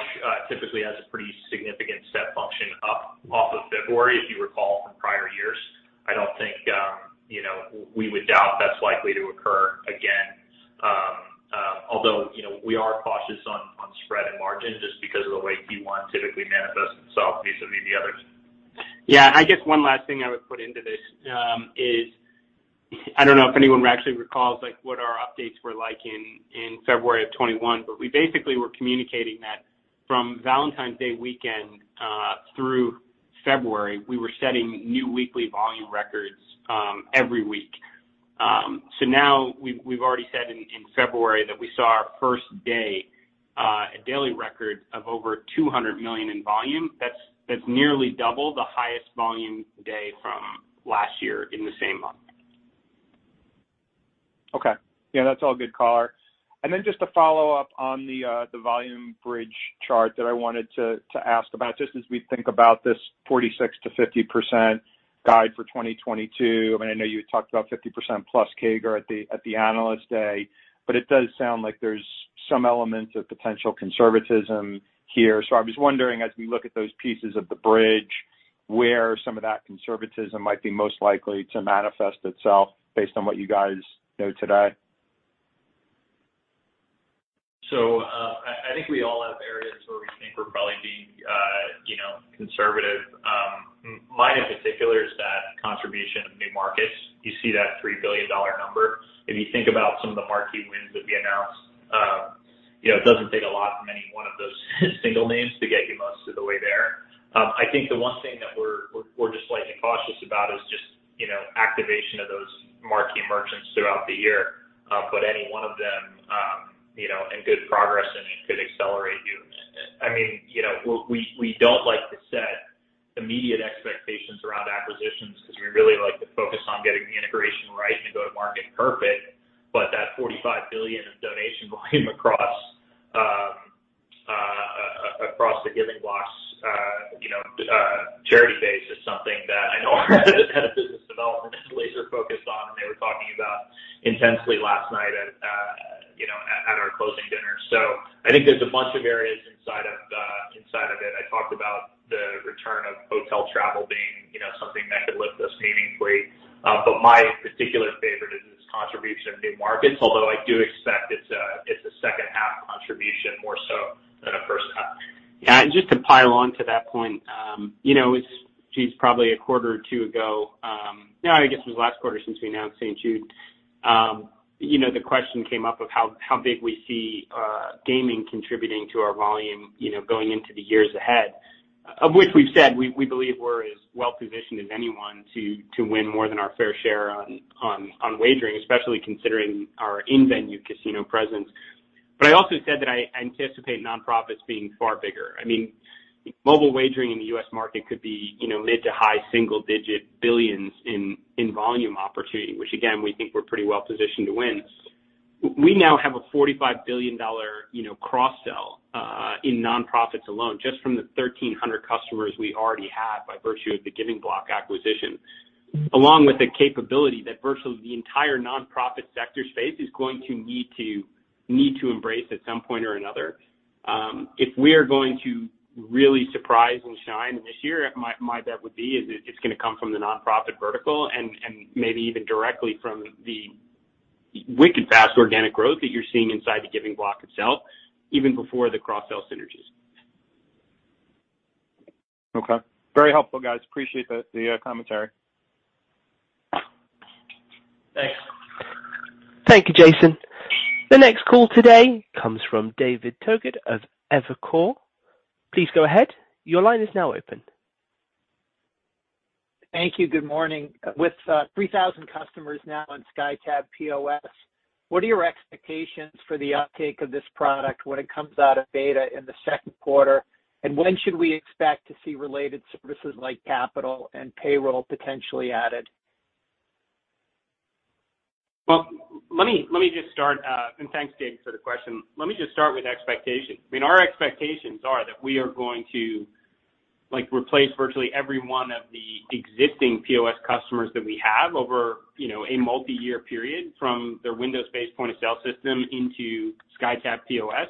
typically has a pretty significant step function up off of February, if you recall from prior years. I don't think, you know, we would doubt that's likely to occur again. Although, you know, we are cautious on spread and margin just because of the way Q1 typically manifests itself vis-a-vis the others. Yeah. I guess one last thing I would put into this is I don't know if anyone actually recalls, like, what our updates were like in February of 2021, but we basically were communicating that from Valentine's Day weekend through February, we were setting new weekly volume records every week. So now we've already said in February that we saw our first day a daily record of over $200 million in volume. That's nearly double the highest volume day from last year in the same month. Okay. Yeah, that's all good color. Then just to follow up on the volume bridge chart that I wanted to ask about, just as we think about this 46%-50% guide for 2022. I mean, I know you talked about 50%+ CAGR at the Analyst Day, but it does sound like there's some elements of potential conservatism here. I was wondering, as we look at those pieces of the bridge, where some of that conservatism might be most likely to manifest itself based on what you guys know today? I think we all have areas where we think we're probably being, you know, conservative. Mine in particular is that contribution of new markets. You see that $3 billion number. If you think about some of the marquee wins that we announced, you know, it doesn't take a lot from any one of those single names to get you most of the way there. I think the one thing that we're just slightly cautious about is just, you know, activation of those marquee merchants throughout the year. But any one of them, you know, in good progress and it could accelerate you. I mean, you know, we don't like to set immediate expectations around acquisitions because we really like to focus on getting the integration right and go to market perfect. That $45 billion of donation volume across The Giving Block, you know, charity base is something that I know our head of business development is laser focused on, and they were talking about intensely last night at, you know, at our closing dinner. I think there's a bunch of areas inside of it. I talked about the return of hotel travel being, you know, something that could lift us meaningfully. My particular favorite is this contribution of new markets, although I do expect it's a H2 contribution more so than a H1. Yeah. Just to pile on to that point, you know, it's, geez, probably a quarter or two ago, no, I guess it was last quarter since we announced St. Jude. You know, the question came up of how big we see gaming contributing to our volume, you know, going into the years ahead, of which we've said we believe we're as well-positioned as anyone to win more than our fair share on wagering, especially considering our in-venue casino presence. I also said that I anticipate nonprofits being far bigger. I mean, mobile wagering in the U.S. market could be, you know, mid- to high single-digit billions in volume opportunity, which again, we think we're pretty well positioned to win. We now have a $45 billion, you know, cross sell, in nonprofits alone, just from the 1,300 customers we already have by virtue of the Giving Block acquisition. Along with the capability that virtually the entire nonprofit sector space is going to need to embrace at some point or another. If we are going to really surprise and shine this year, my bet would be is it's going to come from the nonprofit vertical and maybe even directly from the wicked fast organic growth that you're seeing inside the Giving Block itself, even before the cross sell synergies. Okay. Very helpful, guys. Appreciate the commentary. Thanks. Thank you, Jason. The next call today comes from David Togut of Evercore. Please go ahead. Your line is now open. Thank you. Good morning. With 3,000 customers now on SkyTab POS, what are your expectations for the uptake of this product when it comes out of beta in the Q3? And when should we expect to see related services like capital and payroll potentially added? Well, let me just start and thanks, David, for the question. Let me just start with expectations. I mean, our expectations are that we are going to, like, replace virtually every one of the existing POS customers that we have over, you know, a multiyear period from their Windows-based point of sale system into SkyTab POS.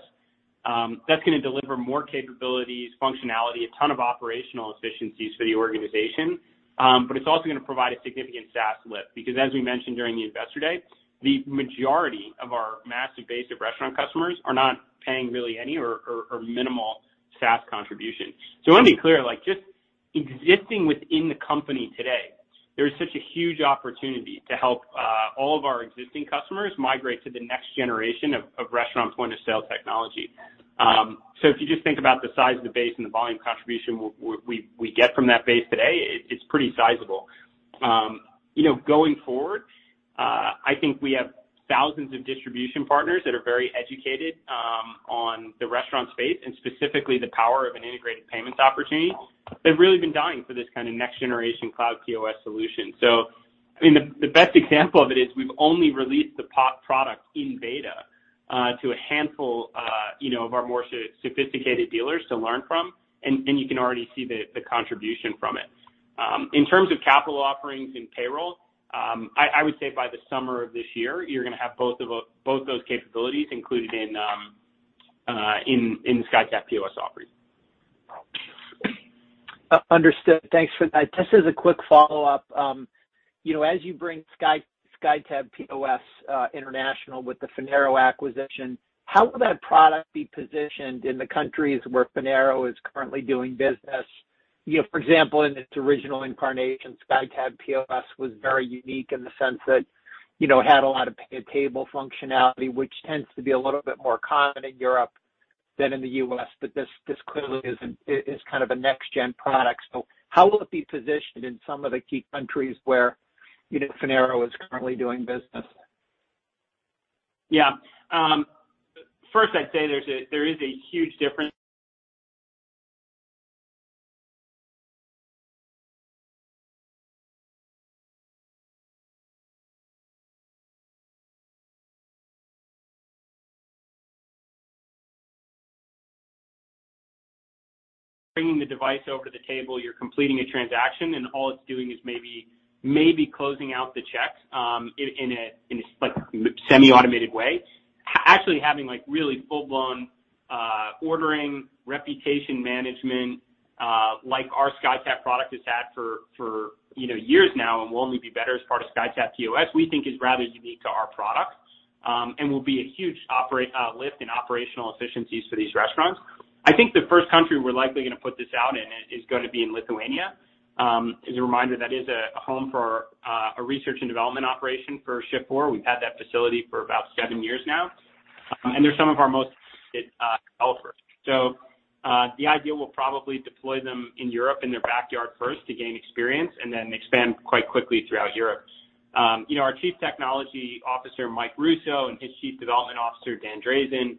That's gonna deliver more capabilities, functionality, a ton of operational efficiencies for the organization. But it's also gonna provide a significant SaaS lift because as we mentioned during the Investor Day, the majority of our massive base of restaurant customers are not paying really any or minimal SaaS contribution. Let me be clear, like just existing within the company today, there is such a huge opportunity to help all of our existing customers migrate to the next generation of restaurant point of sale technology. If you just think about the size of the base and the volume contribution we get from that base today, it's pretty sizable. You know, going forward, I think we have thousands of distribution partners that are very educated on the restaurant space and specifically the power of an integrated payments opportunity. They've really been dying for this kind of next generation cloud POS solution. I mean, the best example of it is we've only released the product in beta to a handful you know, of our more sophisticated dealers to learn from, and you can already see the contribution from it. In terms of capital offerings and payroll, I would say by the summer of this year, you're gonna have both those capabilities included in the SkyTab POS offering. Understood. Thanks for that. Just as a quick follow-up, you know, as you bring SkyTab POS international with the Finaro acquisition, how will that product be positioned in the countries where Finaro is currently doing business? You know, for example, in its original incarnation, SkyTab POS was very unique in the sense that, you know, it had a lot of payable functionality, which tends to be a little bit more common in Europe than in the U.S., but this clearly isn't. It is kind of a next-gen product. How will it be positioned in some of the key countries where, you know, Finaro is currently doing business? Yeah. First I'd say there is a huge difference. Bringing the device over to the table, you're completing a transaction, and all it's doing is maybe closing out the checks in a like semi-automated way. Actually having like really full-blown ordering, reputation management like our SkyTab product has had for you know years now and will only be better as part of SkyTab POS, we think is rather unique to our product and will be a huge operational lift in operational efficiencies for these restaurants. I think the first country we're likely gonna put this out in is gonna be in Lithuania. As a reminder, that is a home for a research and development operation for Shift4. We've had that facility for about seven years now. They're some of our most developers. The idea we'll probably deploy them in Europe in their backyard first to gain experience and then expand quite quickly throughout Europe. You know, our Chief Technology Officer, Michael Russo, and his Chief Development Officer, Dan Drazan,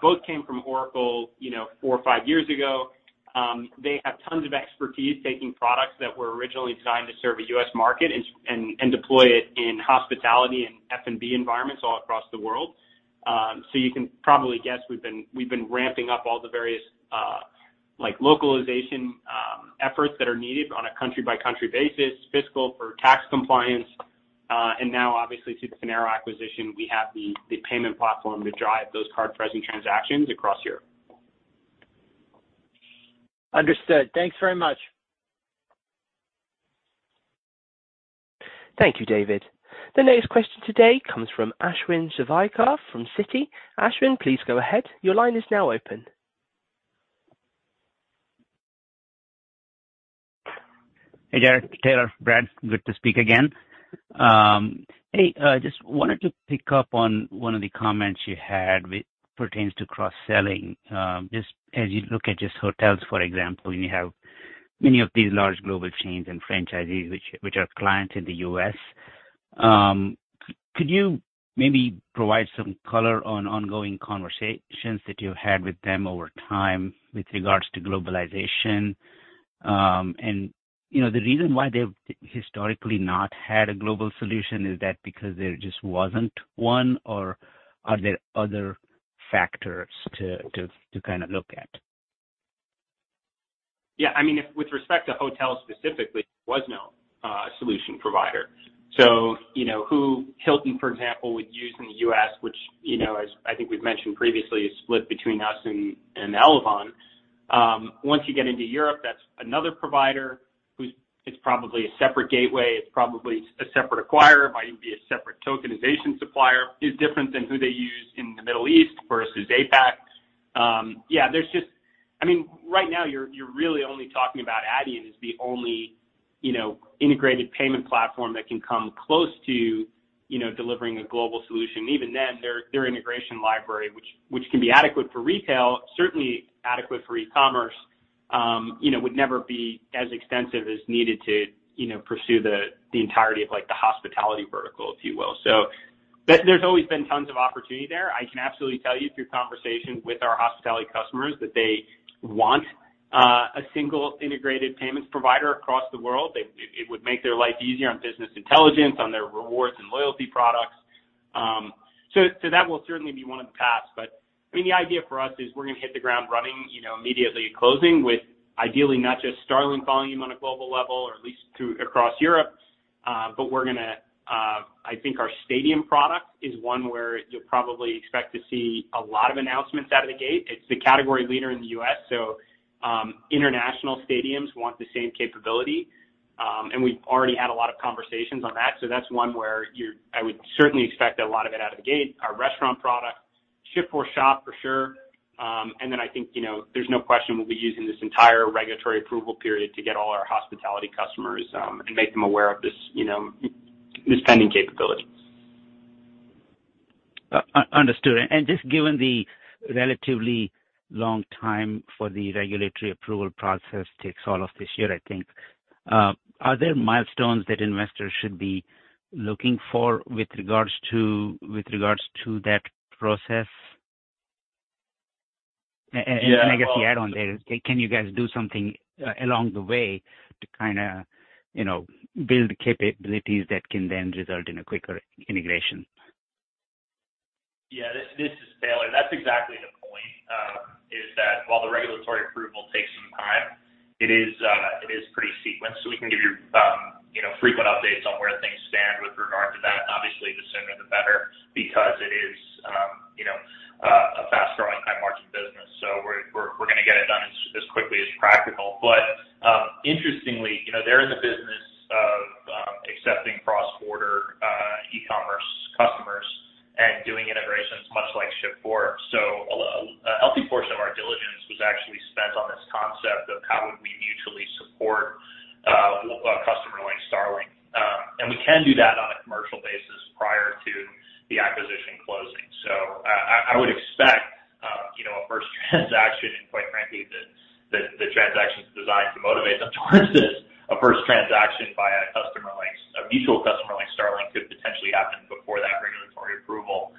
both came from Oracle, you know, four or five years ago. They have tons of expertise taking products that were originally designed to serve a U.S. market and deploy it in hospitality and F&B environments all across the world. You can probably guess we've been ramping up all the various, like localization, efforts that are needed on a country-by-country basis, fiscal for tax compliance, and now obviously through the Finaro acquisition, we have the payment platform to drive those card-present transactions across Europe. Understood. Thanks very much. Thank you, David. The next question today comes from Ashwin Shirvaikar from Citi. Ashwin, please go ahead. Your line is now open. Hey, Jared, Taylor, Brad. Good to speak again. Hey, just wanted to pick up on one of the comments you had that pertains to cross-selling. Just as you look at just hotels, for example, and you have many of these large global chains and franchisees which are clients in the US, could you maybe provide some color on ongoing conversations that you had with them over time with regards to globalization? You know, the reason why they've historically not had a global solution is that because there just wasn't one, or are there other factors to kind of look at? Yeah. I mean, if with respect to hotels specifically, there was no solution provider. You know who Hilton, for example, would use in the U.S., which, you know, as I think we've mentioned previously, is split between us and Elavon. Once you get into Europe, that is another provider who is probably a separate gateway. It is probably a separate acquirer. It might even be a separate tokenization supplier different than who they use in the Middle East versus APAC. I mean, right now you are really only talking about Adyen as the only, you know, integrated payment platform that can come close to, you know, delivering a global solution. Even then, their integration library which can be adequate for retail, certainly adequate for e-commerce, would never be as extensive as needed to pursue the entirety of like the hospitality vertical, if you will. There's always been tons of opportunity there. I can absolutely tell you through conversations with our hospitality customers that they want a single integrated payments provider across the world. It would make their life easier on business intelligence, on their rewards and loyalty products. That will certainly be one of the paths. I mean, the idea for us is we're gonna hit the ground running immediately at closing with ideally not just Starlink volume on a global level or at least through across Europe. We're gonna I think our stadium product is one where you'll probably expect to see a lot of announcements out of the gate. It's the category leader in the U.S., so international stadiums want the same capability. We've already had a lot of conversations on that. That's one where I would certainly expect a lot of it out of the gate. Our restaurant product, Shift4Shop for sure. I think, you know, there's no question we'll be using this entire regulatory approval period to get all our hospitality customers and make them aware of this, you know, this pending capability. Understood. Just given the relatively long time for the regulatory approval process takes all of this year, I think, are there milestones that investors should be looking for with regards to that process? Yeah. I guess the add on there, can you guys do something along the way to kind of, you know, build capabilities that can then result in a quicker integration? Yeah. This is Taylor. That's exactly the point is that while the regulatory approval takes some time, it is pretty sequenced, so we can give you you know frequent updates on where things stand with regard to that. Obviously, the sooner the better because it is you know a fast-growing, high-margin business. We're gonna get it done as quickly as practical. Interestingly, you know, they're in the business of accepting cross-border e-commerce customers and doing integrations much like Shift4. A healthy portion of our diligence was actually spent on this concept of how would we mutually support a customer like Starlink. We can do that on a commercial basis prior to the acquisition closing. I would expect, you know, a first transaction and quite frankly, the transaction's designed to motivate them towards this. A first transaction by a customer like a mutual customer like Starlink could potentially happen before that regulatory approval.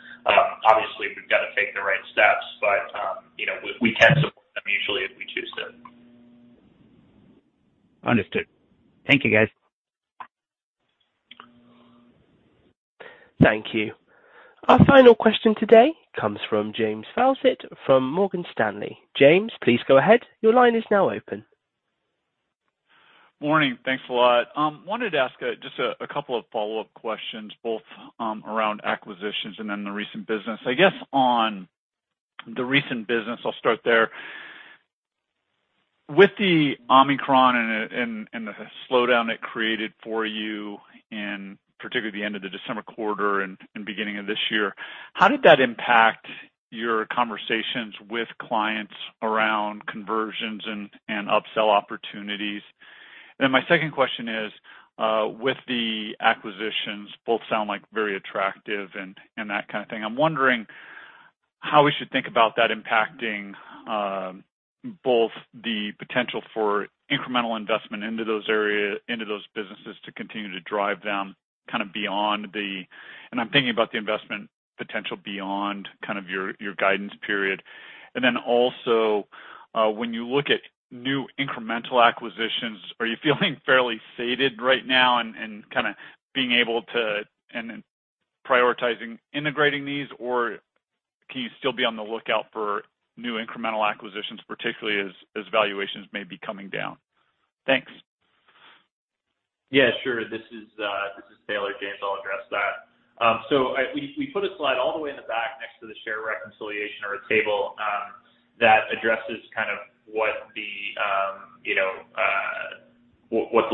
Obviously, we've got to take the right steps, but, you know, we can support them mutually if we choose to. Understood. Thank you, guys. Thank you. Our final question today comes from James Faucette from Morgan Stanley. James, please go ahead. Your line is now open. Morning. Thanks a lot. Wanted to ask just a couple of follow-up questions, both around acquisitions and then the recent business. I guess on the recent business, I'll start there. With the Omicron and the slowdown it created for you in particularly the end of the December quarter and beginning of this year, how did that impact your conversations with clients around conversions and upsell opportunities? My second question is, with the acquisitions, both sound like very attractive and that kind of thing. I'm wondering how we should think about that impacting both the potential for incremental investment into those businesses to continue to drive them kind of beyond the. I'm thinking about the investment potential beyond kind of your guidance period. When you look at new incremental acquisitions, are you feeling fairly sated right now and kind of being able to prioritize integrating these? Or can you still be on the lookout for new incremental acquisitions, particularly as valuations may be coming down? Thanks. Yeah, sure. This is Taylor, James. I'll address that. We put a slide all the way in the back next to the share reconciliation or a table that addresses kind of what the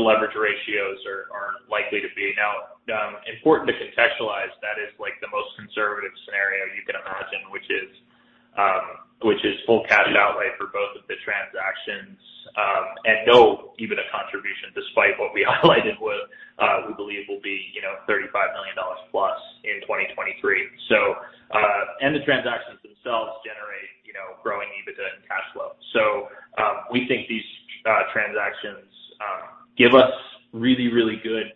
leverage ratios are likely to be. Now, important to contextualize, that is like the most conservative scenario you can imagine, which is full cash outlay for both of the transactions and no EBITDA contribution, despite what we highlighted with we believe will be, you know, $35 million plus in 2023. The transactions themselves generate, you know, growing EBITDA and cash flow. We think these transactions give us really good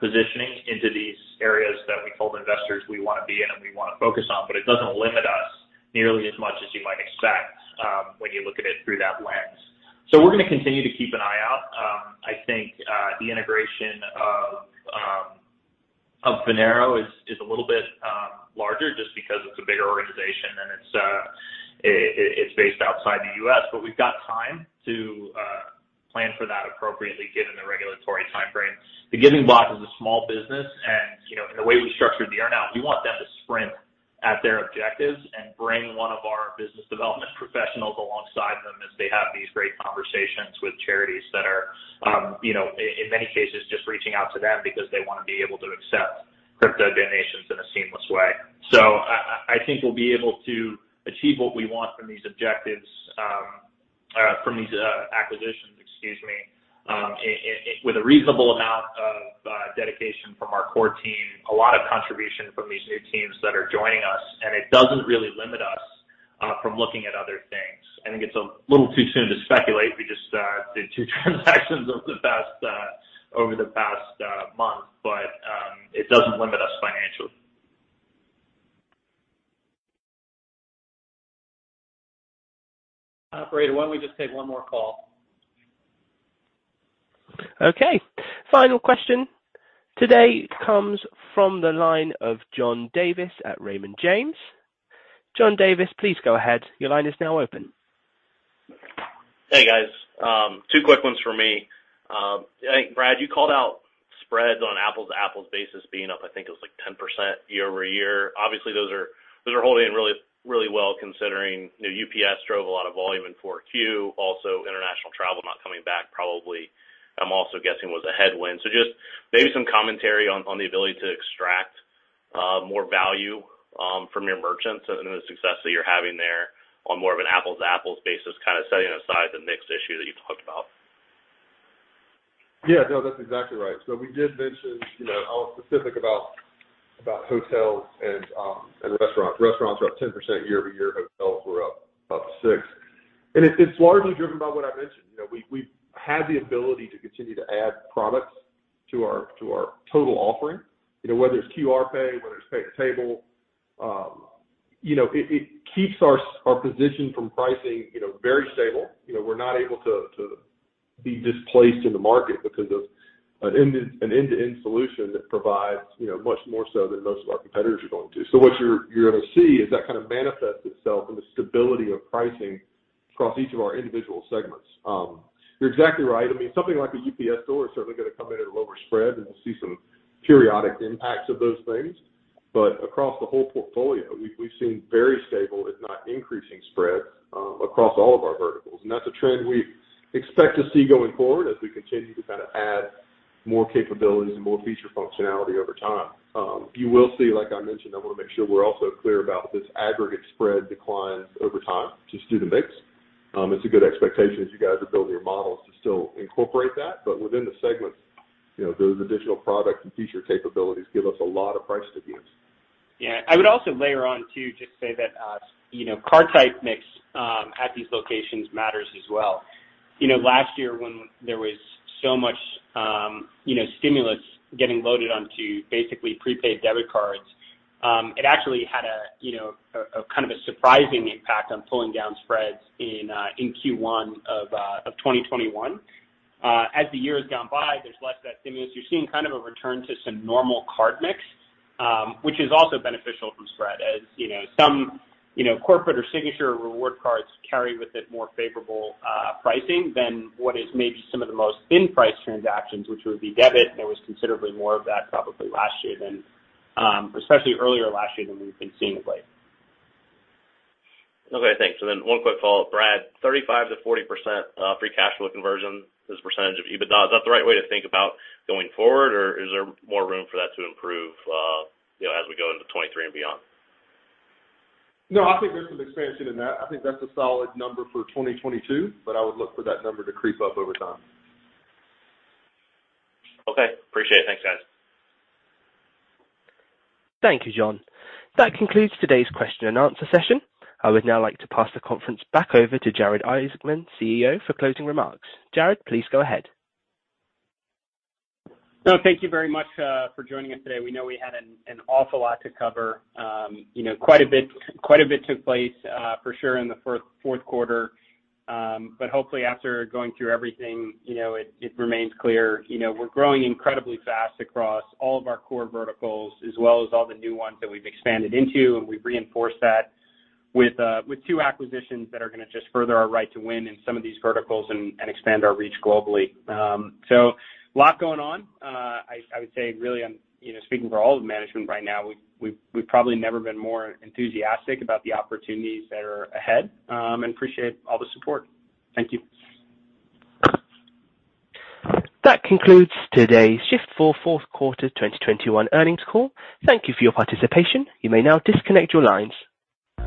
positioning into these areas that we told investors we wanna be in and we wanna focus on. It doesn't limit us nearly as much as you might expect, when you look at it through that lens. We're gonna continue to keep an eye out. I think the integration of Finaro is a little bit larger just because it's a bigger organization and it's based outside the U.S. We've got time to plan for that appropriately given the regulatory timeframe. The Giving Block is a small business, and you know, in the way we structured the earn-out, we want them to sprint at their objectives and bring one of our business development professionals alongside them as they have these great conversations with charities that are, you know, in many cases, just reaching out to them because they wanna be able to accept crypto donations in a seamless way. I think we'll be able to achieve what we want from these objectives, from these acquisitions, excuse me, with a reasonable amount of dedication from our core team, a lot of contribution from these new teams that are joining us, and it doesn't really limit us from looking at other things. I think it's a little too soon to speculate. We just did 2 transactions over the past month, but it doesn't limit us financially. Operator, why don't we just take one more call? Okay. Final question today comes from the line of John Davis at Raymond James. John Davis, please go ahead. Your line is now open. Hey, guys. Two quick ones for me. I think, Brad, you called out spreads on apples-to-apples basis being up, I think it was like 10% year-over-year. Obviously, those are holding really, really well considering, you know, UPS drove a lot of volume in Q4, also international travel not coming back probably, I'm also guessing was a headwind. Just maybe some commentary on the ability to extract more value from your merchants and the success that you're having there on more of an apples-to-apples basis, kind of setting aside the mix issue that you talked about. Yeah. No, that's exactly right. We did mention, you know, I was specific about hotels and restaurants. Restaurants are up 10% year-over-year, hotels were up 6%. It's largely driven by what I mentioned. You know, we've had the ability to continue to add products to our total offering, you know, whether it's QR Pay, whether it's pay at the table. You know, it keeps our position from pricing, you know, very stable. You know, we're not able to be displaced in the market because of an end-to-end solution that provides, you know, much more so than most of our competitors are going to. What you're gonna see is that kind of manifests itself in the stability of pricing across each of our individual segments. You're exactly right. I mean, something like a UPS Store is certainly gonna come in at a lower spread, and we'll see some periodic impacts of those things. Across the whole portfolio, we've seen very stable, if not increasing spreads, across all of our verticals. That's a trend we expect to see going forward as we continue to kind of add more capabilities and more feature functionality over time. You will see, like I mentioned, I wanna make sure we're also clear about this aggregate spread declines over time just due to mix. It's a good expectation as you guys are building your models to still incorporate that, but within the segments, you know, those additional products and feature capabilities give us a lot of price to give. Yeah. I would also layer on too, just say that, you know, card type mix at these locations matters as well. You know, last year when there was so much, you know, stimulus getting loaded onto basically prepaid debit cards, it actually had a kind of a surprising impact on pulling down spreads in Q1 of 2021. As the year has gone by, there's less of that stimulus. You're seeing kind of a return to some normal card mix, which is also beneficial for spreads as, you know, some corporate or signature or reward cards carry with it more favorable pricing than what is maybe some of the most thinly priced transactions, which would be debit. There was considerably more of that probably last year than, especially earlier last year than we've been seeing of late. Okay, thanks. One quick follow-up. Brad, 35%-40% free cash flow conversion as a percentage of EBITDA, is that the right way to think about going forward, or is there more room for that to improve as we go into 2023 and beyond? No, I think there's some expansion in that. I think that's a solid number for 2022, but I would look for that number to creep up over time. Okay. Appreciate it. Thanks, guys. Thank you, John. That concludes today's question and answer session. I would now like to pass the conference back over to Jared Isaacman, CEO, for closing remarks. Jared, please go ahead. No, thank you very much for joining us today. We know we had an awful lot to cover. You know, quite a bit took place for sure in the Q4. Hopefully after going through everything, you know, it remains clear. You know, we're growing incredibly fast across all of our core verticals as well as all the new ones that we've expanded into, and we've reinforced that with two acquisitions that are gonna just further our right to win in some of these verticals and expand our reach globally. A lot going on. I would say really I'm speaking for all of management right now, we've probably never been more enthusiastic about the opportunities that are ahead and appreciate all the support. Thank you. That concludes today's Shift4 Q4 2021 earnings call. Thank you for your participation. You may now disconnect your lines.